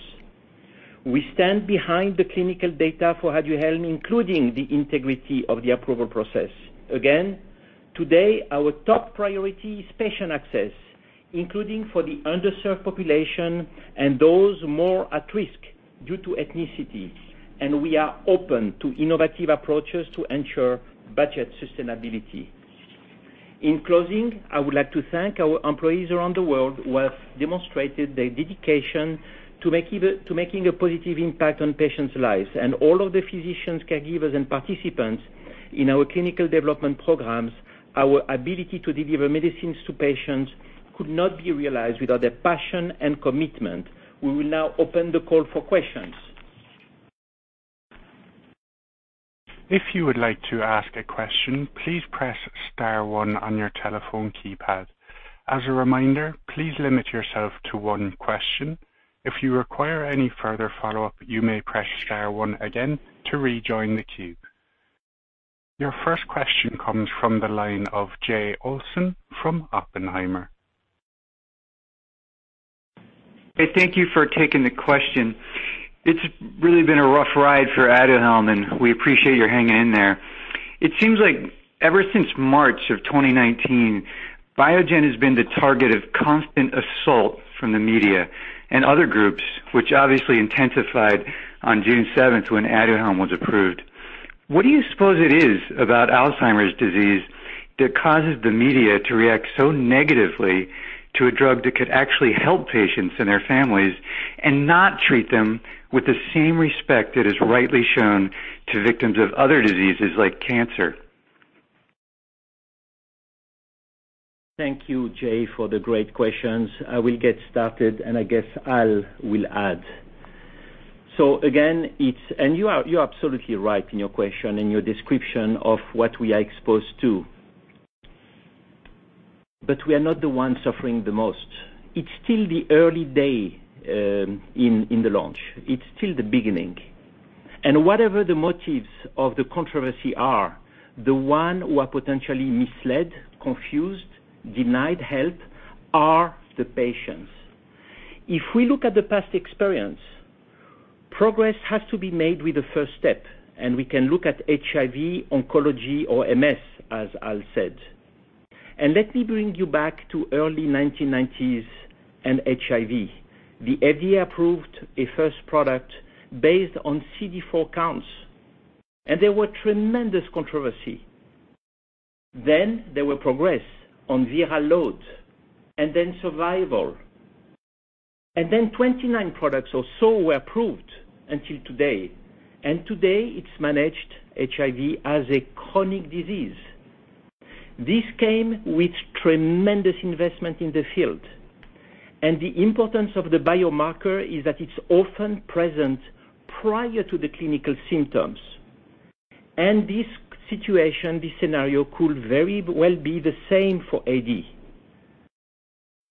We stand behind the clinical data for ADUHELM, including the integrity of the approval process. Again, today, our top priority is patient access, including for the underserved population and those more at risk due to ethnicity. We are open to innovative approaches to ensure budget sustainability. In closing, I would like to thank our employees around the world who have demonstrated their dedication to making a positive impact on patients' lives. All of the physicians, caregivers, and participants in our clinical development programs, our ability to deliver medicines to patients could not be realized without their passion and commitment. We will now open the call for questions. Your first question comes from the line of Jay Olson from Oppenheimer. Hey, thank you for taking the question. It's really been a rough ride for ADUHELM, and we appreciate your hanging in there. It seems like ever since March of 2019, Biogen has been the target of constant assault from the media and other groups, which obviously intensified on June 7th when ADUHELM was approved. What do you suppose it is about Alzheimer's disease that causes the media to react so negatively to a drug that could actually help patients and their families, and not treat them with the same respect that is rightly shown to victims of other diseases like cancer? Thank you, Jay, for the great questions. I will get started, and I guess Al will add. Again, and you're absolutely right in your question, in your description of what we are exposed to. We are not the ones suffering the most. It's still the early day in the launch. It's still the beginning. Whatever the motives of the controversy are, the one who are potentially misled, confused, denied help, are the patients. If we look at the past experience, progress has to be made with the first step, and we can look at HIV, oncology or MS, as Al said. Let me bring you back to early 1990s and HIV. The FDA approved a first product based on CD4 counts, and there were tremendous controversy. There were progress on viral load and then survival. Then 29 products or so were approved until today. Today it's managed HIV as a chronic disease. This came with tremendous investment in the field. The importance of the biomarker is that it's often present prior to the clinical symptoms. This situation, this scenario could very well be the same for AD.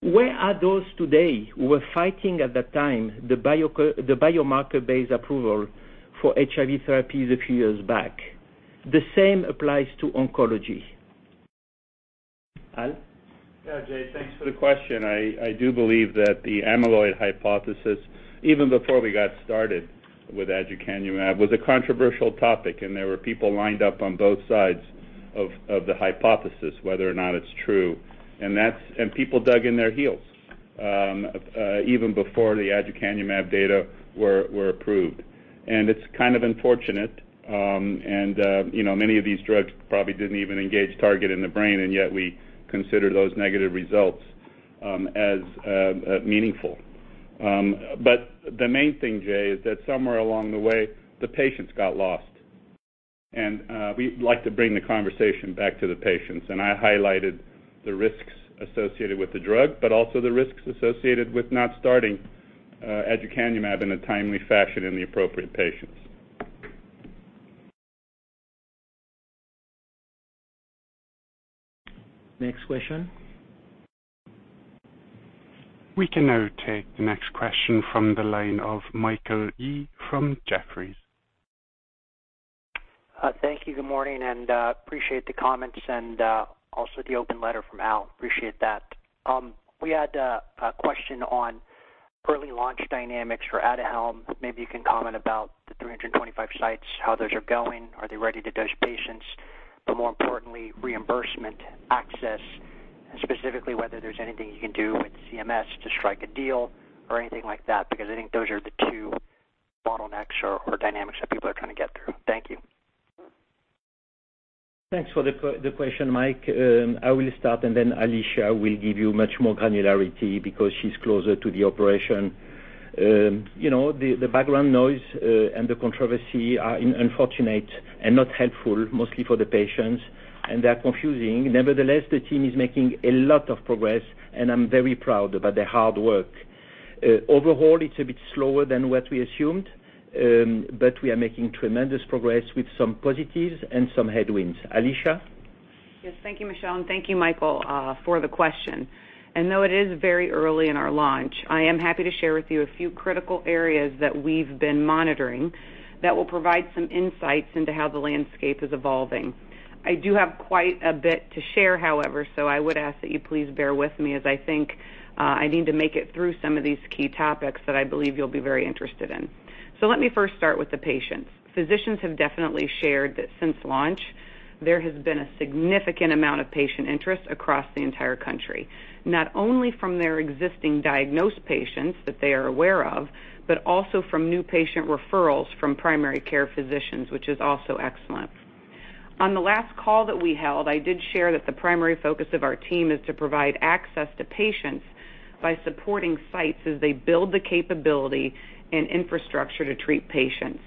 Where are those today who were fighting at that time, the biomarker-based approval for HIV therapies a few years back? The same applies to oncology. Al? Yeah, Jay, thanks for the question. I do believe that the amyloid hypothesis, even before we got started with aducanumab, was a controversial topic. There were people lined up on both sides of the hypothesis, whether or not it's true. People dug in their heels even before the aducanumab data were approved. It's kind of unfortunate. Many of these drugs probably didn't even engage target in the brain, and yet we consider those negative results as meaningful. The main thing, Jay, is that somewhere along the way, the patients got lost. We like to bring the conversation back to the patients, and I highlighted the risks associated with the drug, but also the risks associated with not starting aducanumab in a timely fashion in the appropriate patients. Next question. We can now take the next question from the line of Michael Yee from Jefferies. Thank you. Good morning. Appreciate the comments and also the open letter from Al. Appreciate that. We had a question on early launch dynamics for ADUHELM. Maybe you can comment about the 325 sites, how those are going. Are they ready to dose patients? More importantly, reimbursement access, specifically whether there's anything you can do with CMS to strike a deal or anything like that, because I think those are the two bottlenecks or dynamics that people are trying to get through. Thank you. Thanks for the question, Mike. I will start and then Alisha will give you much more granularity because she's closer to the operation. The background noise and the controversy are unfortunate and not helpful, mostly for the patients, and they're confusing. Nevertheless, the team is making a lot of progress, and I'm very proud about their hard work. Overall, it's a bit slower than what we assumed, but we are making tremendous progress with some positives and some headwinds. Alisha? Yes. Thank you, Michel. Thank you, Michael, for the question. Though it is very early in our launch, I am happy to share with you a few critical areas that we've been monitoring that will provide some insights into how the landscape is evolving. I do have quite a bit to share, however, so I would ask that you please bear with me as I think I need to make it through some of these key topics that I believe you'll be very interested in. Let me first start with the patients. Physicians have definitely shared that since launch, there has been a significant amount of patient interest across the entire country. Not only from their existing diagnosed patients that they are aware of, but also from new patient referrals from primary care physicians, which is also excellent. On the last call that we held, I did share that the primary focus of our team is to provide access to patients by supporting sites as they build the capability and infrastructure to treat patients.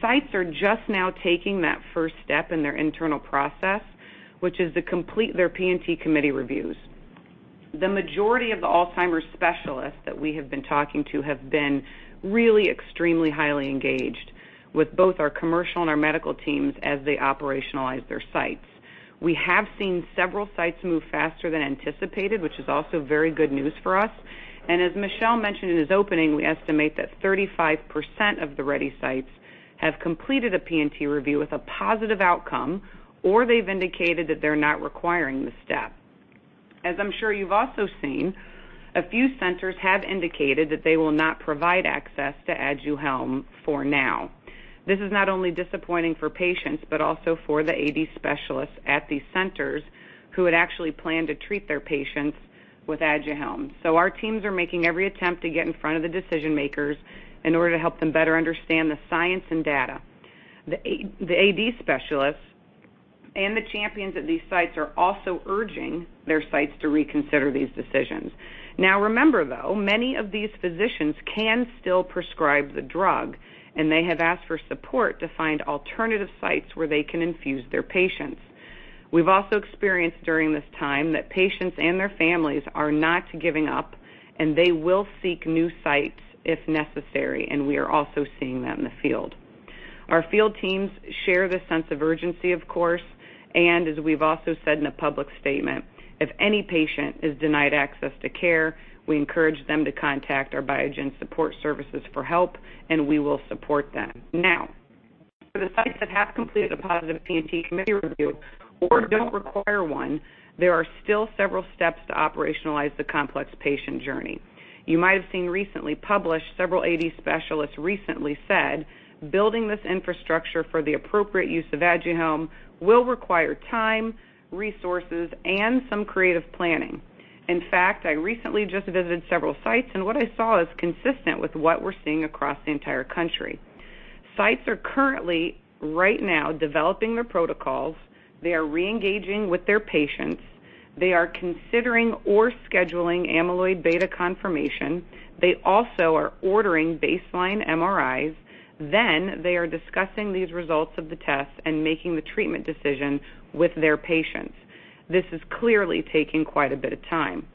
Sites are just now taking that first step in their internal process, which is to complete their P&T committee reviews. The majority of the Alzheimer's specialists that we have been talking to have been really extremely highly engaged with both our commercial and our medical teams as they operationalize their sites. We have seen several sites move faster than anticipated, which is also very good news for us. As Michel mentioned in his opening, we estimate that 35% of the ready sites have completed a P&T review with a positive outcome, or they've indicated that they're not requiring the step. As I'm sure you've also seen, a few centers have indicated that they will not provide access to ADUHELM for now. This is not only disappointing for patients, but also for the AD specialists at these centers who had actually planned to treat their patients with ADUHELM. Our teams are making every attempt to get in front of the decision-makers in order to help them better understand the science and data. The AD specialists and the champions at these sites are also urging their sites to reconsider these decisions. Now remember, though, many of these physicians can still prescribe the drug, and they have asked for support to find alternative sites where they can infuse their patients. We've also experienced during this time that patients and their families are not giving up, and they will seek new sites if necessary, and we are also seeing that in the field. Our field teams share the sense of urgency, of course, and as we've also said in a public statement, if any patient is denied access to care, we encourage them to contact our Biogen support services for help, and we will support them. For the sites that have completed a positive P&T committee review or don't require one, there are still several steps to operationalize the complex patient journey. You might have seen recently published, several AD specialists recently said, building this infrastructure for the appropriate use of ADUHELM will require time, resources, and some creative planning. I recently just visited several sites, and what I saw is consistent with what we're seeing across the entire country. Sites are currently, right now, developing their protocols. They are re-engaging with their patients. They are considering or scheduling amyloid beta confirmation. They also are ordering baseline MRIs. They are discussing these results of the tests and making the treatment decision with their patients. This is clearly taking quite a bit of time.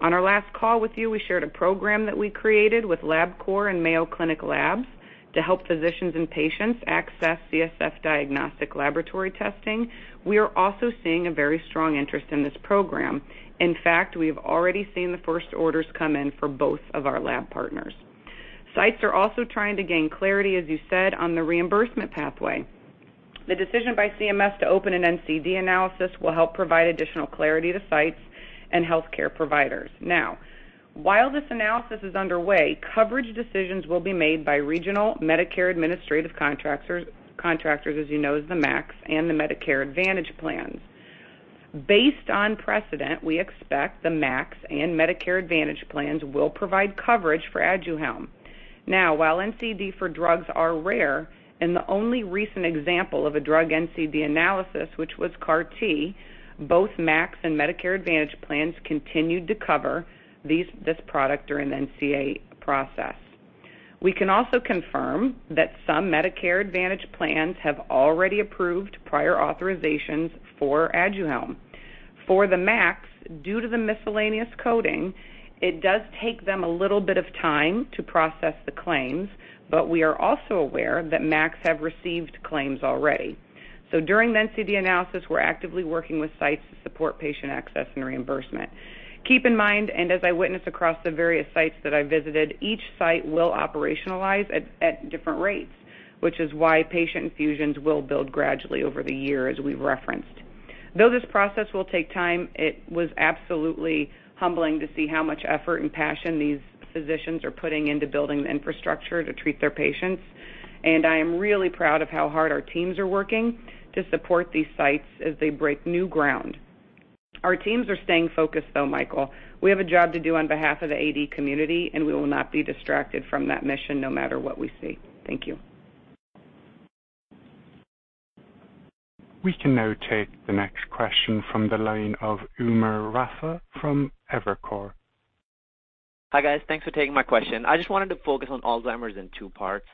On our last call with you, we shared a program that we created with LabCorp and Mayo Clinic Laboratories to help physicians and patients access CSF diagnostic laboratory testing. We are also seeing a very strong interest in this program. In fact, we have already seen the first orders come in for both of our lab partners. Sites are also trying to gain clarity, as you said, on the reimbursement pathway. The decision by CMS to open an NCD analysis will help provide additional clarity to sites and healthcare providers. While this analysis is underway, coverage decisions will be made by regional Medicare administrative contractors, as you know, as the MACs, and the Medicare Advantage plans. Based on precedent, we expect the MACs and Medicare Advantage plans will provide coverage for ADUHELM. While NCD for drugs are rare, and the only recent example of a drug NCD analysis, which was CAR T, both MACs and Medicare Advantage plans continued to cover this product during the NCD process. We can also confirm that some Medicare Advantage plans have already approved prior authorizations for ADUHELM. For the MACs, due to the miscellaneous coding, it does take them a little bit of time to process the claims, but we are also aware that MACs have received claims already. During the NCD analysis, we're actively working with sites to support patient access and reimbursement. Keep in mind, and as I witnessed across the various sites that I visited, each site will operationalize at different rates, which is why patient infusions will build gradually over the year as we've referenced. Though this process will take time, it was absolutely humbling to see how much effort and passion these physicians are putting into building the infrastructure to treat their patients. I am really proud of how hard our teams are working to support these sites as they break new ground. Our teams are staying focused, though, Michael. We have a job to do on behalf of the AD community, and we will not be distracted from that mission no matter what we see. Thank you. We can now take the next question from the line of Umer Raffat from Evercore. Hi, guys. Thanks for taking my question. I just wanted to focus on Alzheimer's in two parts.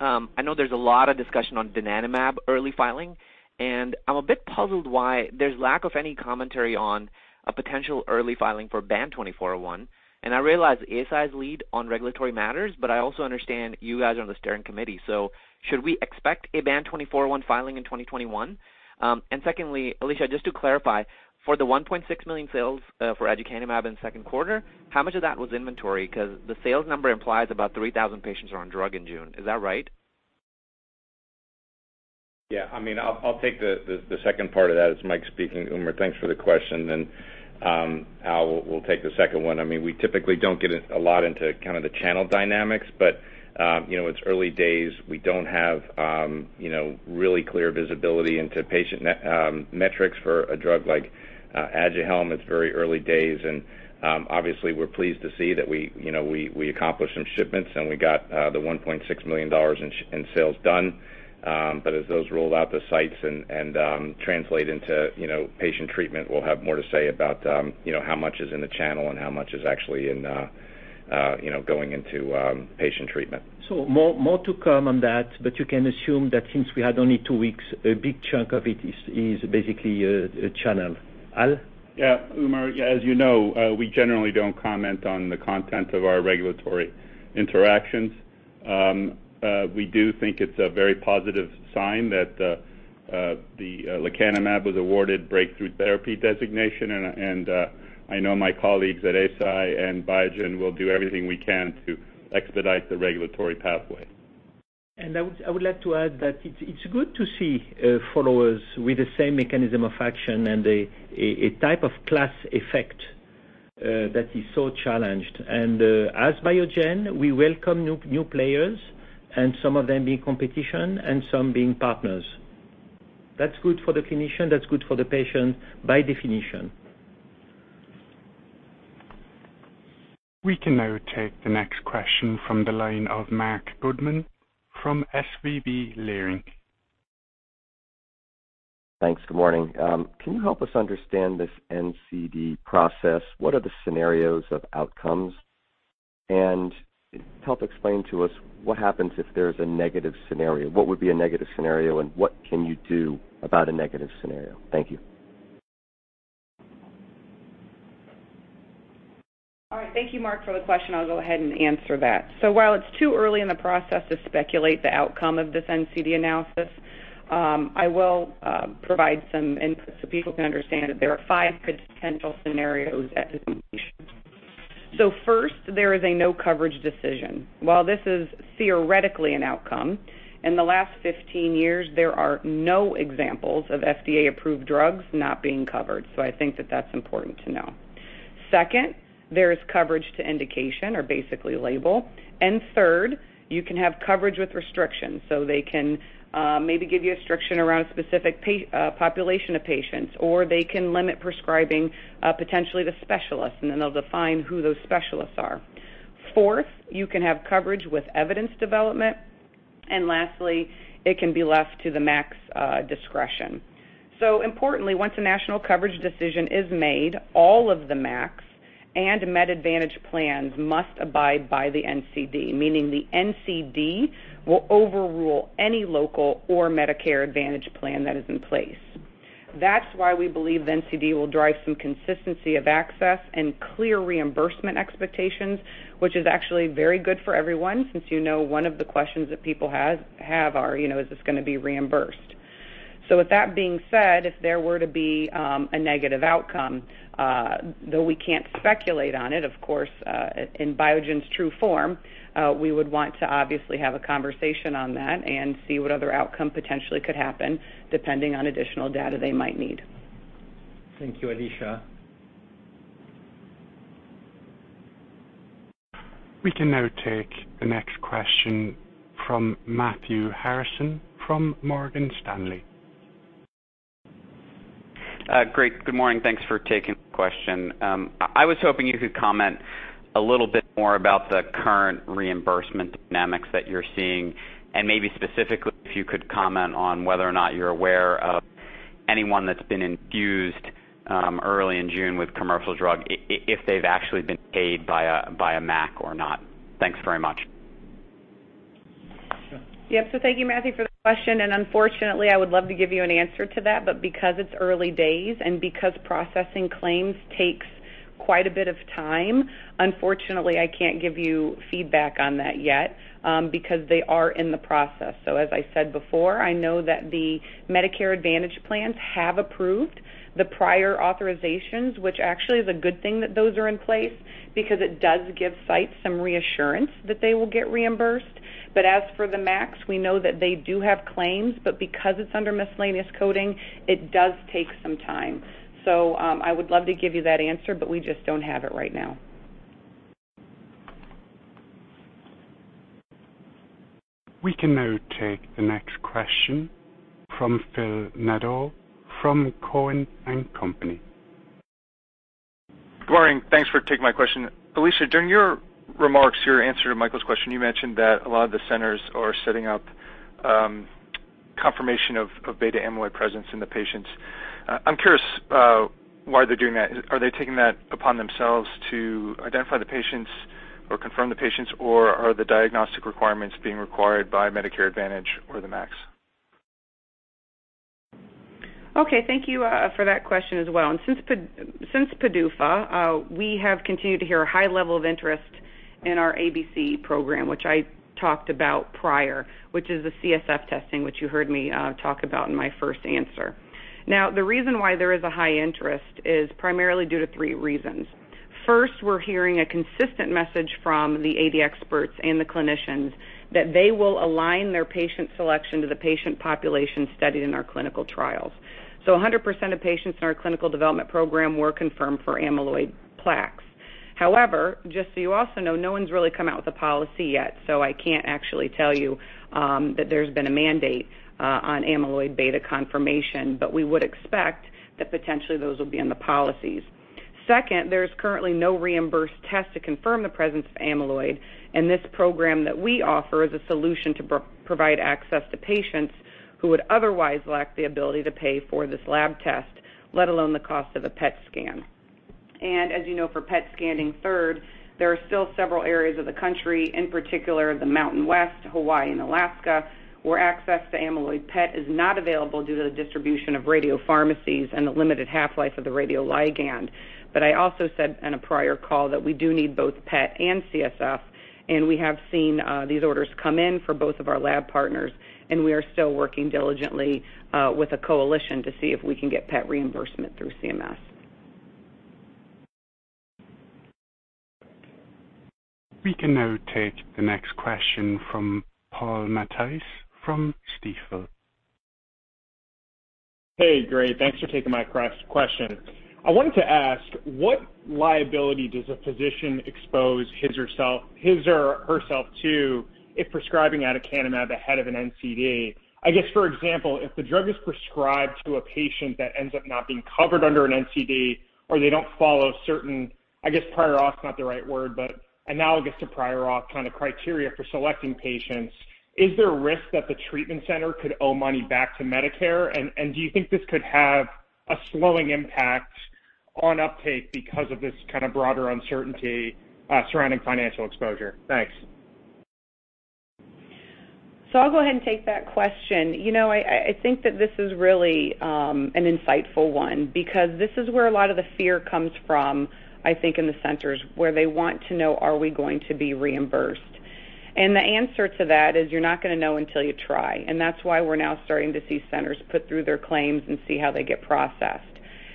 I know there's a lot of discussion on donanemab early filing, and I'm a bit puzzled why there's lack of any commentary on a potential early filing for BAN2401. I realize Eisai's lead on regulatory matters, but I also understand you guys are on the steering committee. Should we expect a BAN2401 filing in 2021? Secondly, Alisha, just to clarify, for the $1.6 million sales for aducanumab in second quarter, how much of that was inventory? The sales number implies about 3,000 patients are on drug in June. Is that right? Yeah, I'll take the second part of that. It's Mike speaking, Umer. Thanks for the question. Al will take the second one. We typically don't get a lot into kind of the channel dynamics, but it's early days. We don't have really clear visibility into patient metrics for a drug like ADUHELM. It's very early days. Obviously, we're pleased to see that we accomplished some shipments, and we got the $1.6 million in sales done. As those roll out to sites and translate into patient treatment, we'll have more to say about how much is in the channel and how much is actually going into patient treatment. More to come on that, but you can assume that since we had only two weeks, a big chunk of it is basically a channel. Al? Yeah, Umer, as you know, we generally don't comment on the content of our regulatory interactions. We do think it's a very positive sign that the lecanemab was awarded breakthrough therapy designation, and I know my colleagues at Eisai and Biogen will do everything we can to expedite the regulatory pathway. I would like to add that it's good to see followers with the same mechanism of action and a type of class effect that is so challenged. As Biogen, we welcome new players, and some of them being competition and some being partners. That's good for the clinician, that's good for the patient by definition. We can now take the next question from the line of Marc Goodman from SVB Leerink. Thanks. Good morning. Can you help us understand this NCD process? What are the scenarios of outcomes? Help explain to us what happens if there's a negative scenario. What would be a negative scenario, and what can you do about a negative scenario? Thank you. All right. Thank you, Marc, for the question. I'll go ahead and answer that. While it's too early in the process to speculate the outcome of this NCD analysis, I will provide some input so people can understand that there are five potential scenarios. First, there is a no coverage decision. While this is theoretically an outcome, in the last 15 years, there are no examples of FDA-approved drugs not being covered. I think that that's important to know. Second, there is coverage to indication or basically label. Third, you can have coverage with restrictions. They can maybe give you a restriction around a specific population of patients, or they can limit prescribing potentially to specialists, and then they'll define who those specialists are. Fourth, you can have coverage with evidence development. Lastly, it can be left to the MACs discretion. Importantly, once a national coverage decision is made, all of the MACs and Medicare Advantage plans must abide by the NCD, meaning the NCD will overrule any local or Medicare Advantage plan that is in place. That's why we believe the NCD will drive some consistency of access and clear reimbursement expectations, which is actually very good for everyone since you know one of the questions that people have are, is this going to be reimbursed? With that being said, if there were to be a negative outcome, though we can't speculate on it, of course, in Biogen's true form, we would want to obviously have a conversation on that and see what other outcome potentially could happen depending on additional data they might need. Thank you, Alisha Alaimo. We can now take the next question from Matthew Harrison from Morgan Stanley. Great. Good morning. Thanks for taking the question. I was hoping you could comment a little bit more about the current reimbursement dynamics that you're seeing, and maybe specifically if you could comment on whether or not you're aware of anyone that's been infused early in June with commercial drug, if they've actually been paid by a MACs or not. Thanks very much. Yep. Thank you, Matthew, for the question, and unfortunately, I would love to give you an answer to that, but because it's early days and because processing claims takes quite a bit of time, unfortunately, I can't give you feedback on that yet, because they are in the process. As I said before, I know that the Medicare Advantage plans have approved the prior authorizations, which actually is a good thing that those are in place because it does give sites some reassurance that they will get reimbursed. As for the MACs, we know that they do have claims, but because it's under miscellaneous coding, it does take some time. I would love to give you that answer, but we just don't have it right now. We can now take the next question from Phil Nadeau from Cowen and Company. Good morning. Thanks for taking my question. Alisha, during your remarks, your answer to Michael Yee's question, you mentioned that a lot of the centers are setting up confirmation of A-beta presence in the patients. I'm curious why they're doing that. Are they taking that upon themselves to identify the patients or confirm the patients, or are the diagnostic requirements being required by Medicare Advantage or the MACs? Okay, thank you for that question as well. Since PDUFA, we have continued to hear a high level of interest in our ABC program, which I talked about prior, which is the CSF testing, which you heard me talk about in my first answer. Now, the reason why there is a high interest is primarily due to three reasons. First, we're hearing a consistent message from the AD experts and the clinicians that they will align their patient selection to the patient population studied in our clinical trials. 100% of patients in our clinical development program were confirmed for amyloid plaques. However, just so you also know, no one's really come out with a policy yet, so I can't actually tell you that there's been a mandate on amyloid beta confirmation, but we would expect that potentially those will be in the policies. Second, there is currently no reimbursed test to confirm the presence of amyloid, and this program that we offer is a solution to provide access to patients who would otherwise lack the ability to pay for this lab test, let alone the cost of a PET scan. As you know for PET scanning, third, there are still several areas of the country, in particular the Mountain West, Hawaii, and Alaska, where access to amyloid PET is not available due to the distribution of radiopharmacies and the limited half-life of the radioligand. I also said on a prior call that we do need both PET and CSF. We have seen these orders come in for both of our lab partners, and we are still working diligently with a coalition to see if we can get PET reimbursement through CMS. We can now take the next question from Paul Matteis from Stifel. Hey, great. Thanks for taking my question. I wanted to ask, what liability does a physician expose his or herself to if prescribing aducanumab ahead of an NCD? I guess, for example, if the drug is prescribed to a patient that ends up not being covered under an NCD or they don't follow certain, I guess prior auth is not the right word, but analogous to prior auth kind of criteria for selecting patients, is there a risk that the treatment center could owe money back to Medicare? Do you think this could have a slowing impact on uptake because of this kind of broader uncertainty surrounding financial exposure? Thanks. I'll go ahead and take that question. I think that this is really an insightful one because this is where a lot of the fear comes from, I think in the centers, where they want to know, are we going to be reimbursed? The answer to that is you're not going to know until you try. That's why we're now starting to see centers put through their claims and see how they get processed.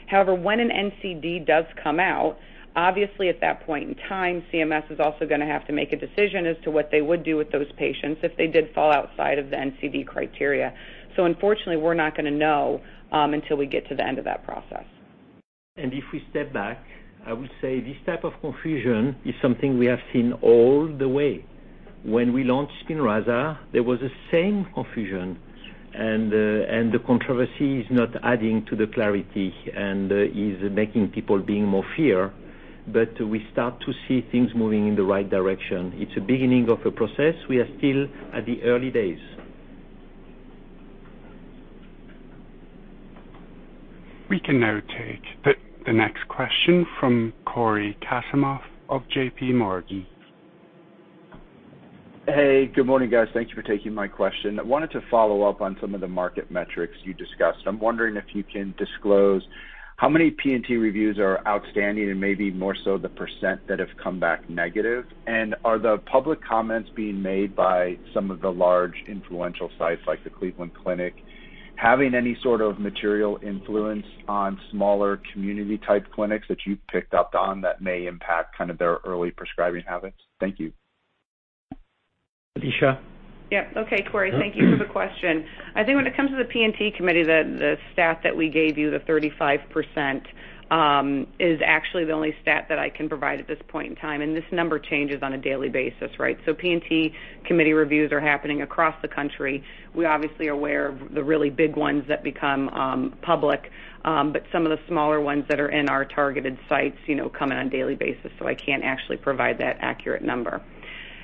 However, when an NCD does come out, obviously at that point in time, CMS is also going to have to make a decision as to what they would do with those patients if they did fall outside of the NCD criteria. Unfortunately, we're not going to know until we get to the end of that process. If we step back, I would say this type of confusion is something we have seen all the way. When we launched SPINRAZA, there was the same confusion. The controversy is not adding to the clarity and is making people be in more fear. We start to see things moving in the right direction. It's a beginning of a process. We are still at the early days. We can now take the next question from Cory Kasimov of JPMorgan. Hey, good morning, guys. Thank you for taking my question. I wanted to follow up on some of the market metrics you discussed. I'm wondering if you can disclose how many P&T reviews are outstanding and maybe more so the percent that have come back negative. Are the public comments being made by some of the large influential sites like the Cleveland Clinic, having any sort of material influence on smaller community-type clinics that you've picked up on that may impact their early prescribing habits? Thank you. Alisha? Yep. Okay, Cory. Thank you for the question. I think when it comes to the P&T committee, the stat that we gave you, the 35%, is actually the only stat that I can provide at this point in time. This number changes on a daily basis, right? P&T committee reviews are happening across the country. We obviously are aware of the really big ones that become public. Some of the smaller ones that are in our targeted sites come in on a daily basis, I can't actually provide that accurate number.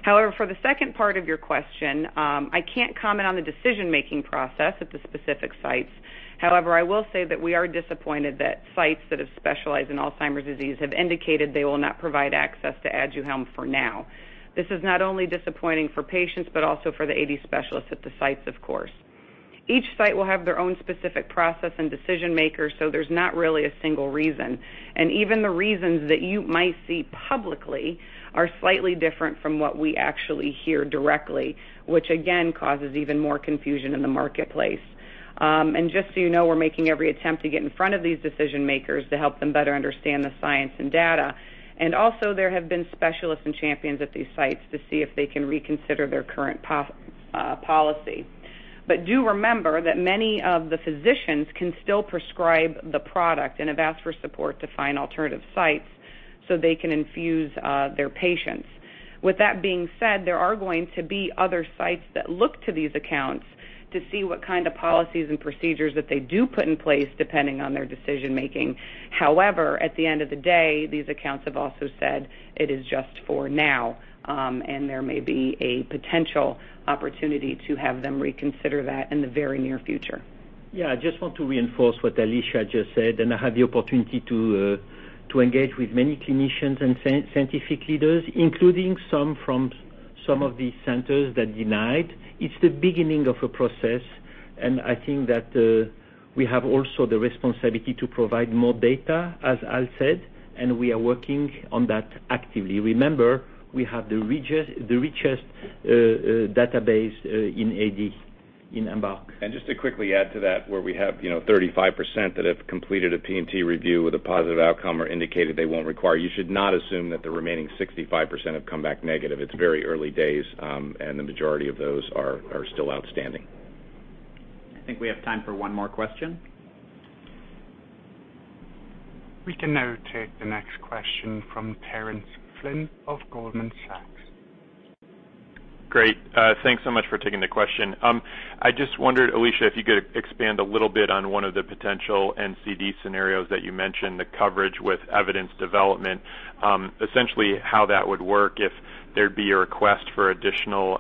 However, for the second part of your question, I can't comment on the decision-making process at the specific sites. However, I will say that we are disappointed that sites that have specialized in Alzheimer's disease have indicated they will not provide access to ADUHELM for now. This is not only disappointing for patients, but also for the AD specialists at the sites, of course. Each site will have their own specific process and decision-makers. There's not really a single reason. Even the reasons that you might see publicly are slightly different from what we actually hear directly, which again, causes even more confusion in the marketplace. Just so you know, we're making every attempt to get in front of these decision-makers to help them better understand the science and data. Also there have been specialists and champions at these sites to see if they can reconsider their current policy. Do remember that many of the physicians can still prescribe the product and have asked for support to find alternative sites so they can infuse their patients. With that being said, there are going to be other sites that look to these accounts to see what kind of policies and procedures that they do put in place depending on their decision-making. However, at the end of the day, these accounts have also said it is just for now, and there may be a potential opportunity to have them reconsider that in the very near future. Yeah, I just want to reinforce what Alisha just said. I have the opportunity to engage with many clinicians and scientific leaders, including some from these centers that denied. It's the beginning of a process. I think that we have also the responsibility to provide more data, as Al said. We are working on that actively. Remember, we have the richest database in AD in EMBARK. Just to quickly add to that, where we have 35% that have completed a P&T review with a positive outcome or indicated they won't require, you should not assume that the remaining 65% have come back negative. It's very early days, and the majority of those are still outstanding. I think we have time for one more question. We can now take the next question from Terence Flynn of Goldman Sachs. Great. Thanks so much for taking the question. I just wondered, Alisha, if you could expand a little bit on one of the potential NCD scenarios that you mentioned, the coverage with evidence development. Essentially how that would work if there'd be a request for additional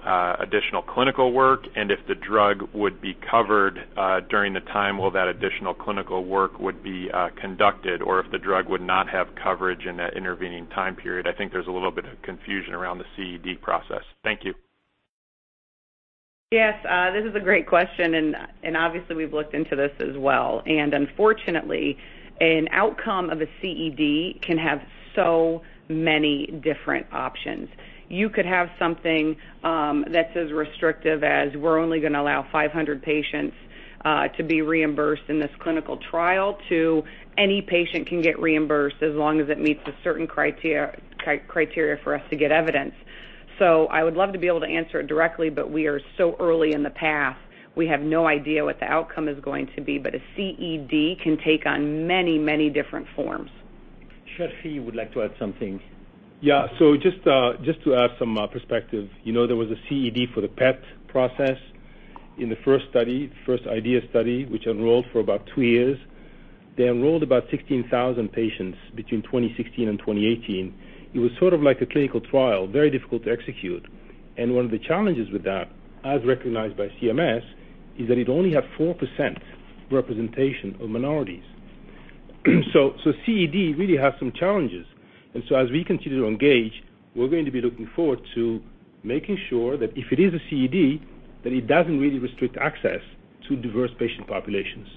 clinical work and if the drug would be covered during the time while that additional clinical work would be conducted, or if the drug would not have coverage in that intervening time period. I think there's a little bit of confusion around the CED process. Thank you. Yes. This is a great question. Obviously we've looked into this as well. Unfortunately, an outcome of a CED can have so many different options. You could have something that's as restrictive as we're only going to allow 500 patients to be reimbursed in this clinical trial, to any patient can get reimbursed as long as it meets a certain criteria for us to get evidence. I would love to be able to answer it directly, but we are so early in the path. We have no idea what the outcome is going to be. A CED can take on many different forms. Chirfi would like to add something. Yeah. Just to add some perspective, there was a CED for the PET process in the first study, first IDEAS study, which enrolled for about two years. They enrolled about 16,000 patients between 2016 and 2018. It was sort of like a clinical trial, very difficult to execute. One of the challenges with that, as recognized by CMS, is that it only had 4% representation of minorities. CED really has some challenges. As we continue to engage, we're going to be looking forward to making sure that if it is a CED, that it doesn't really restrict access to diverse patient populations.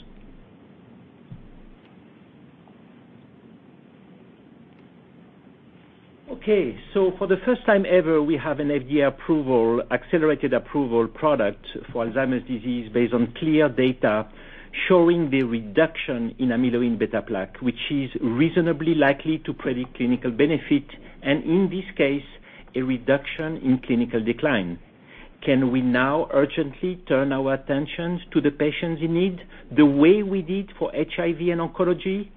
Okay, for the first time ever, we have an FDA approval, accelerated approval product for Alzheimer's disease based on clear data showing the reduction in amyloid and beta plaque, which is reasonably likely to predict clinical benefit, and in this case, a reduction in clinical decline. Can we now urgently turn our attention to the patients in need the way we did for HIV and oncology?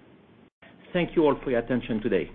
Thank you all for your attention today.